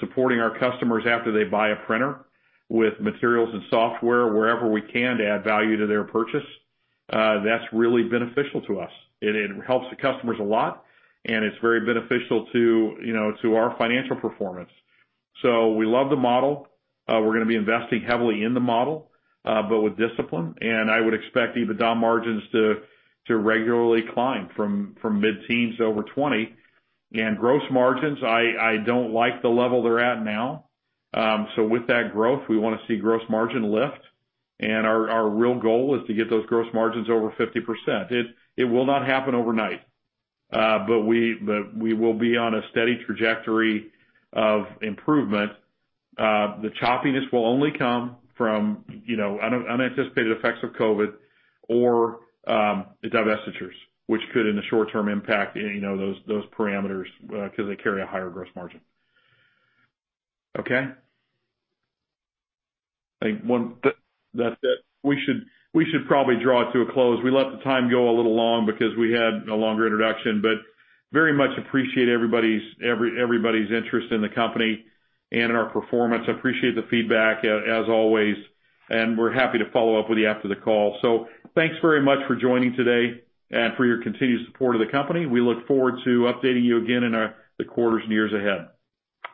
supporting our customers after they buy a printer with materials and software wherever we can to add value to their purchase, that's really beneficial to us. It helps the customers a lot, and it's very beneficial to our financial performance. So we love the model. We're going to be investing heavily in the model, but with discipline. And I would expect EBITDA margins to regularly climb from mid-teens to over 20%. And gross margins, I don't like the level they're at now. So with that growth, we want to see gross margin lift. And our real goal is to get those gross margins over 50%. It will not happen overnight, but we will be on a steady trajectory of improvement. The choppiness will only come from unanticipated effects of COVID or the divestitures, which could, in the short term, impact those parameters because they carry a higher gross margin. Okay. I think that's it. We should probably draw to a close. We let the time go a little long because we had a longer introduction, but very much appreciate everybody's interest in the company and in our performance. Appreciate the feedback, as always. And we're happy to follow up with you after the call. So thanks very much for joining today and for your continued support of the company. We look forward to updating you again in the quarters and years ahead.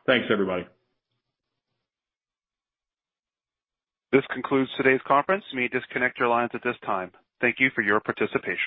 Thanks, everybody. This concludes today's conference. We disconnect your lines at this time. Thank you for your participation.